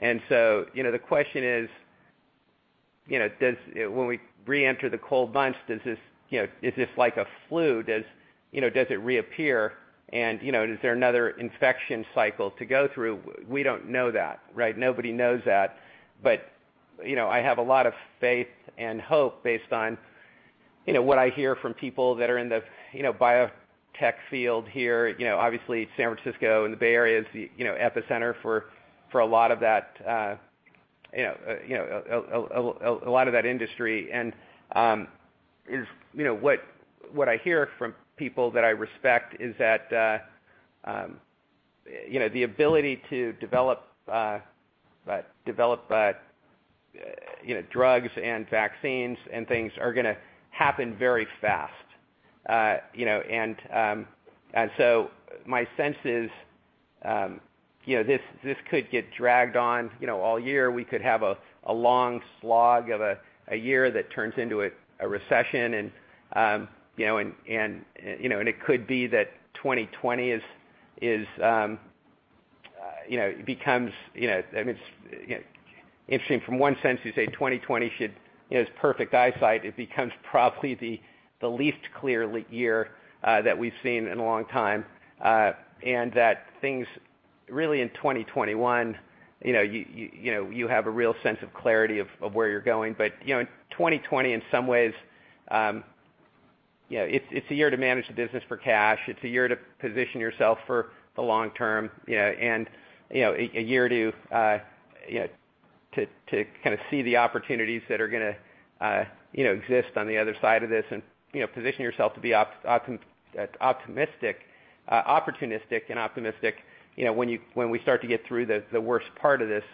The question is, when we reenter the cold months, is this like a flu? Does it reappear? Is there another infection cycle to go through? We don't know that, right? Nobody knows that. I have a lot of faith and hope based on what I hear from people that are in the biotech field here. Obviously, San Francisco and the Bay Area is the epicenter for a lot of that industry. What I hear from people that I respect is that the ability to develop drugs and vaccines and things are going to happen very fast. My sense is this could get dragged on all year. We could have a long slog of a year that turns into a recession, and it could be that 2020, it becomes I mean, it's interesting from one sense to say 2020 is perfect eyesight. It becomes probably the least clear year that we've seen in a long time. That things really in 2021, you have a real sense of clarity of where you're going. 2020 in some ways, it's a year to manage the business for cash. It's a year to position yourself for the long term, and a year to see the opportunities that are going to exist on the other side of this and position yourself to be opportunistic and optimistic when we start to get through the worst part of this.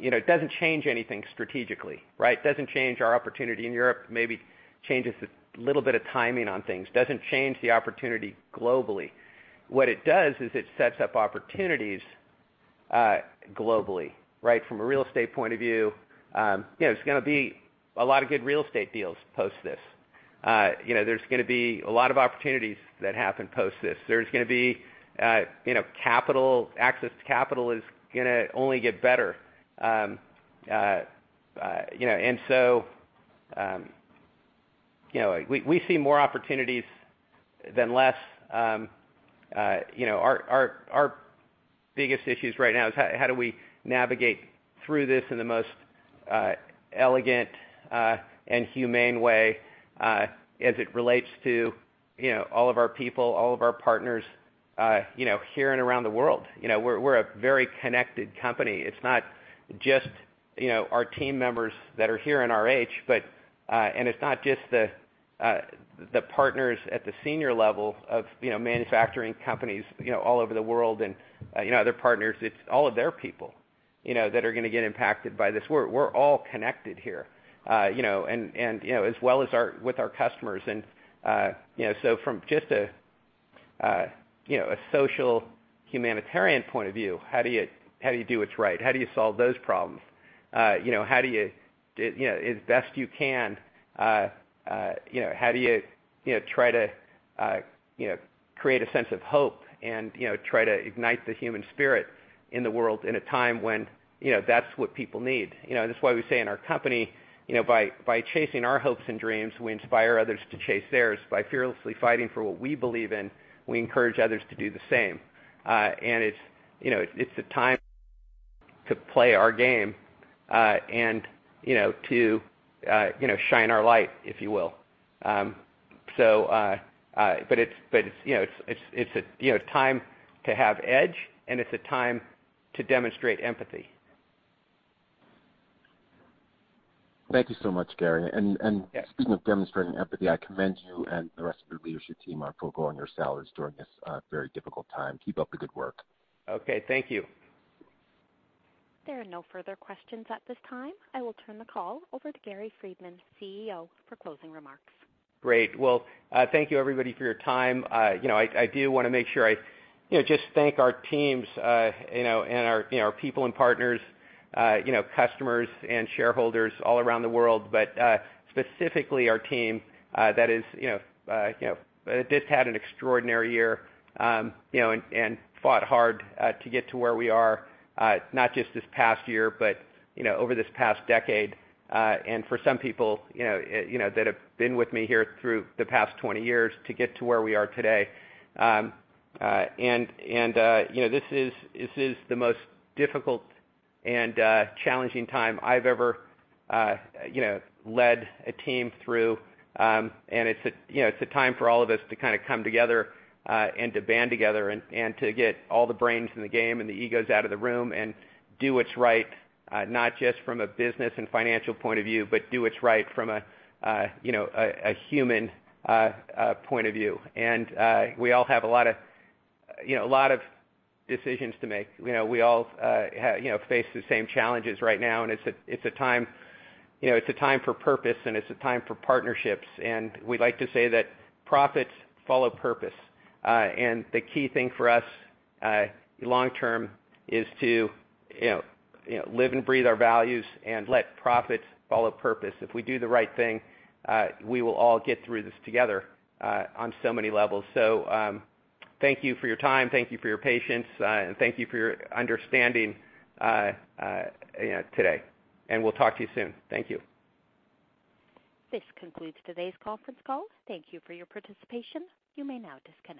It doesn't change anything strategically, right? Doesn't change our opportunity in Europe, maybe changes a little bit of timing on things, doesn't change the opportunity globally. What it does is it sets up opportunities globally. From a real estate point of view, there's going to be a lot of good real estate deals post this. There's going to be a lot of opportunities that happen post this. There's going to be access to capital is going to only get better. We see more opportunities than less. Our biggest issues right now is how do we navigate through this in the most elegant and humane way as it relates to all of our people, all of our partners here and around the world. We're a very connected company. It's not just our team members that are here in RH. It's not just the partners at the senior level of manufacturing companies all over the world and other partners. It's all of their people that are going to get impacted by this. We're all connected here, as well as with our customers. From just a social humanitarian point of view, how do you do what's right? How do you solve those problems? As best you can, how do you try to create a sense of hope and try to ignite the human spirit in the world in a time when that's what people need? That's why we say in our company, by chasing our hopes and dreams, we inspire others to chase theirs. By fearlessly fighting for what we believe in, we encourage others to do the same. It's a time to play our game and to shine our light, if you will. It's time to have edge, and it's a time to demonstrate empathy. Thank you so much, Gary. Yes. Speaking of demonstrating empathy, I commend you and the rest of your leadership team on foregoing your salaries during this very difficult time. Keep up the good work. Okay. Thank you. There are no further questions at this time. I will turn the call over to Gary Friedman, CEO, for closing remarks. Great. Well, thank you everybody for your time. I do want to make sure I just thank our teams and our people and partners, customers and shareholders all around the world, but specifically our team that just had an extraordinary year, and fought hard to get to where we are, not just this past year, but over this past decade. For some people that have been with me here through the past 20 years to get to where we are today. This is the most difficult and challenging time I've ever led a team through. It's a time for all of us to kind of come together and to band together and to get all the brains in the game and the egos out of the room and do what's right, not just from a business and financial point of view, but do what's right from a human point of view. We all have a lot of decisions to make. We all face the same challenges right now, and it's a time for purpose, and it's a time for partnerships. We'd like to say that profits follow purpose. The key thing for us long term is to live and breathe our values and let profits follow purpose. If we do the right thing, we will all get through this together on so many levels. Thank you for your time, thank you for your patience, and thank you for your understanding today. We'll talk to you soon. Thank you. This concludes today's conference call. Thank you for your participation. You may now disconnect.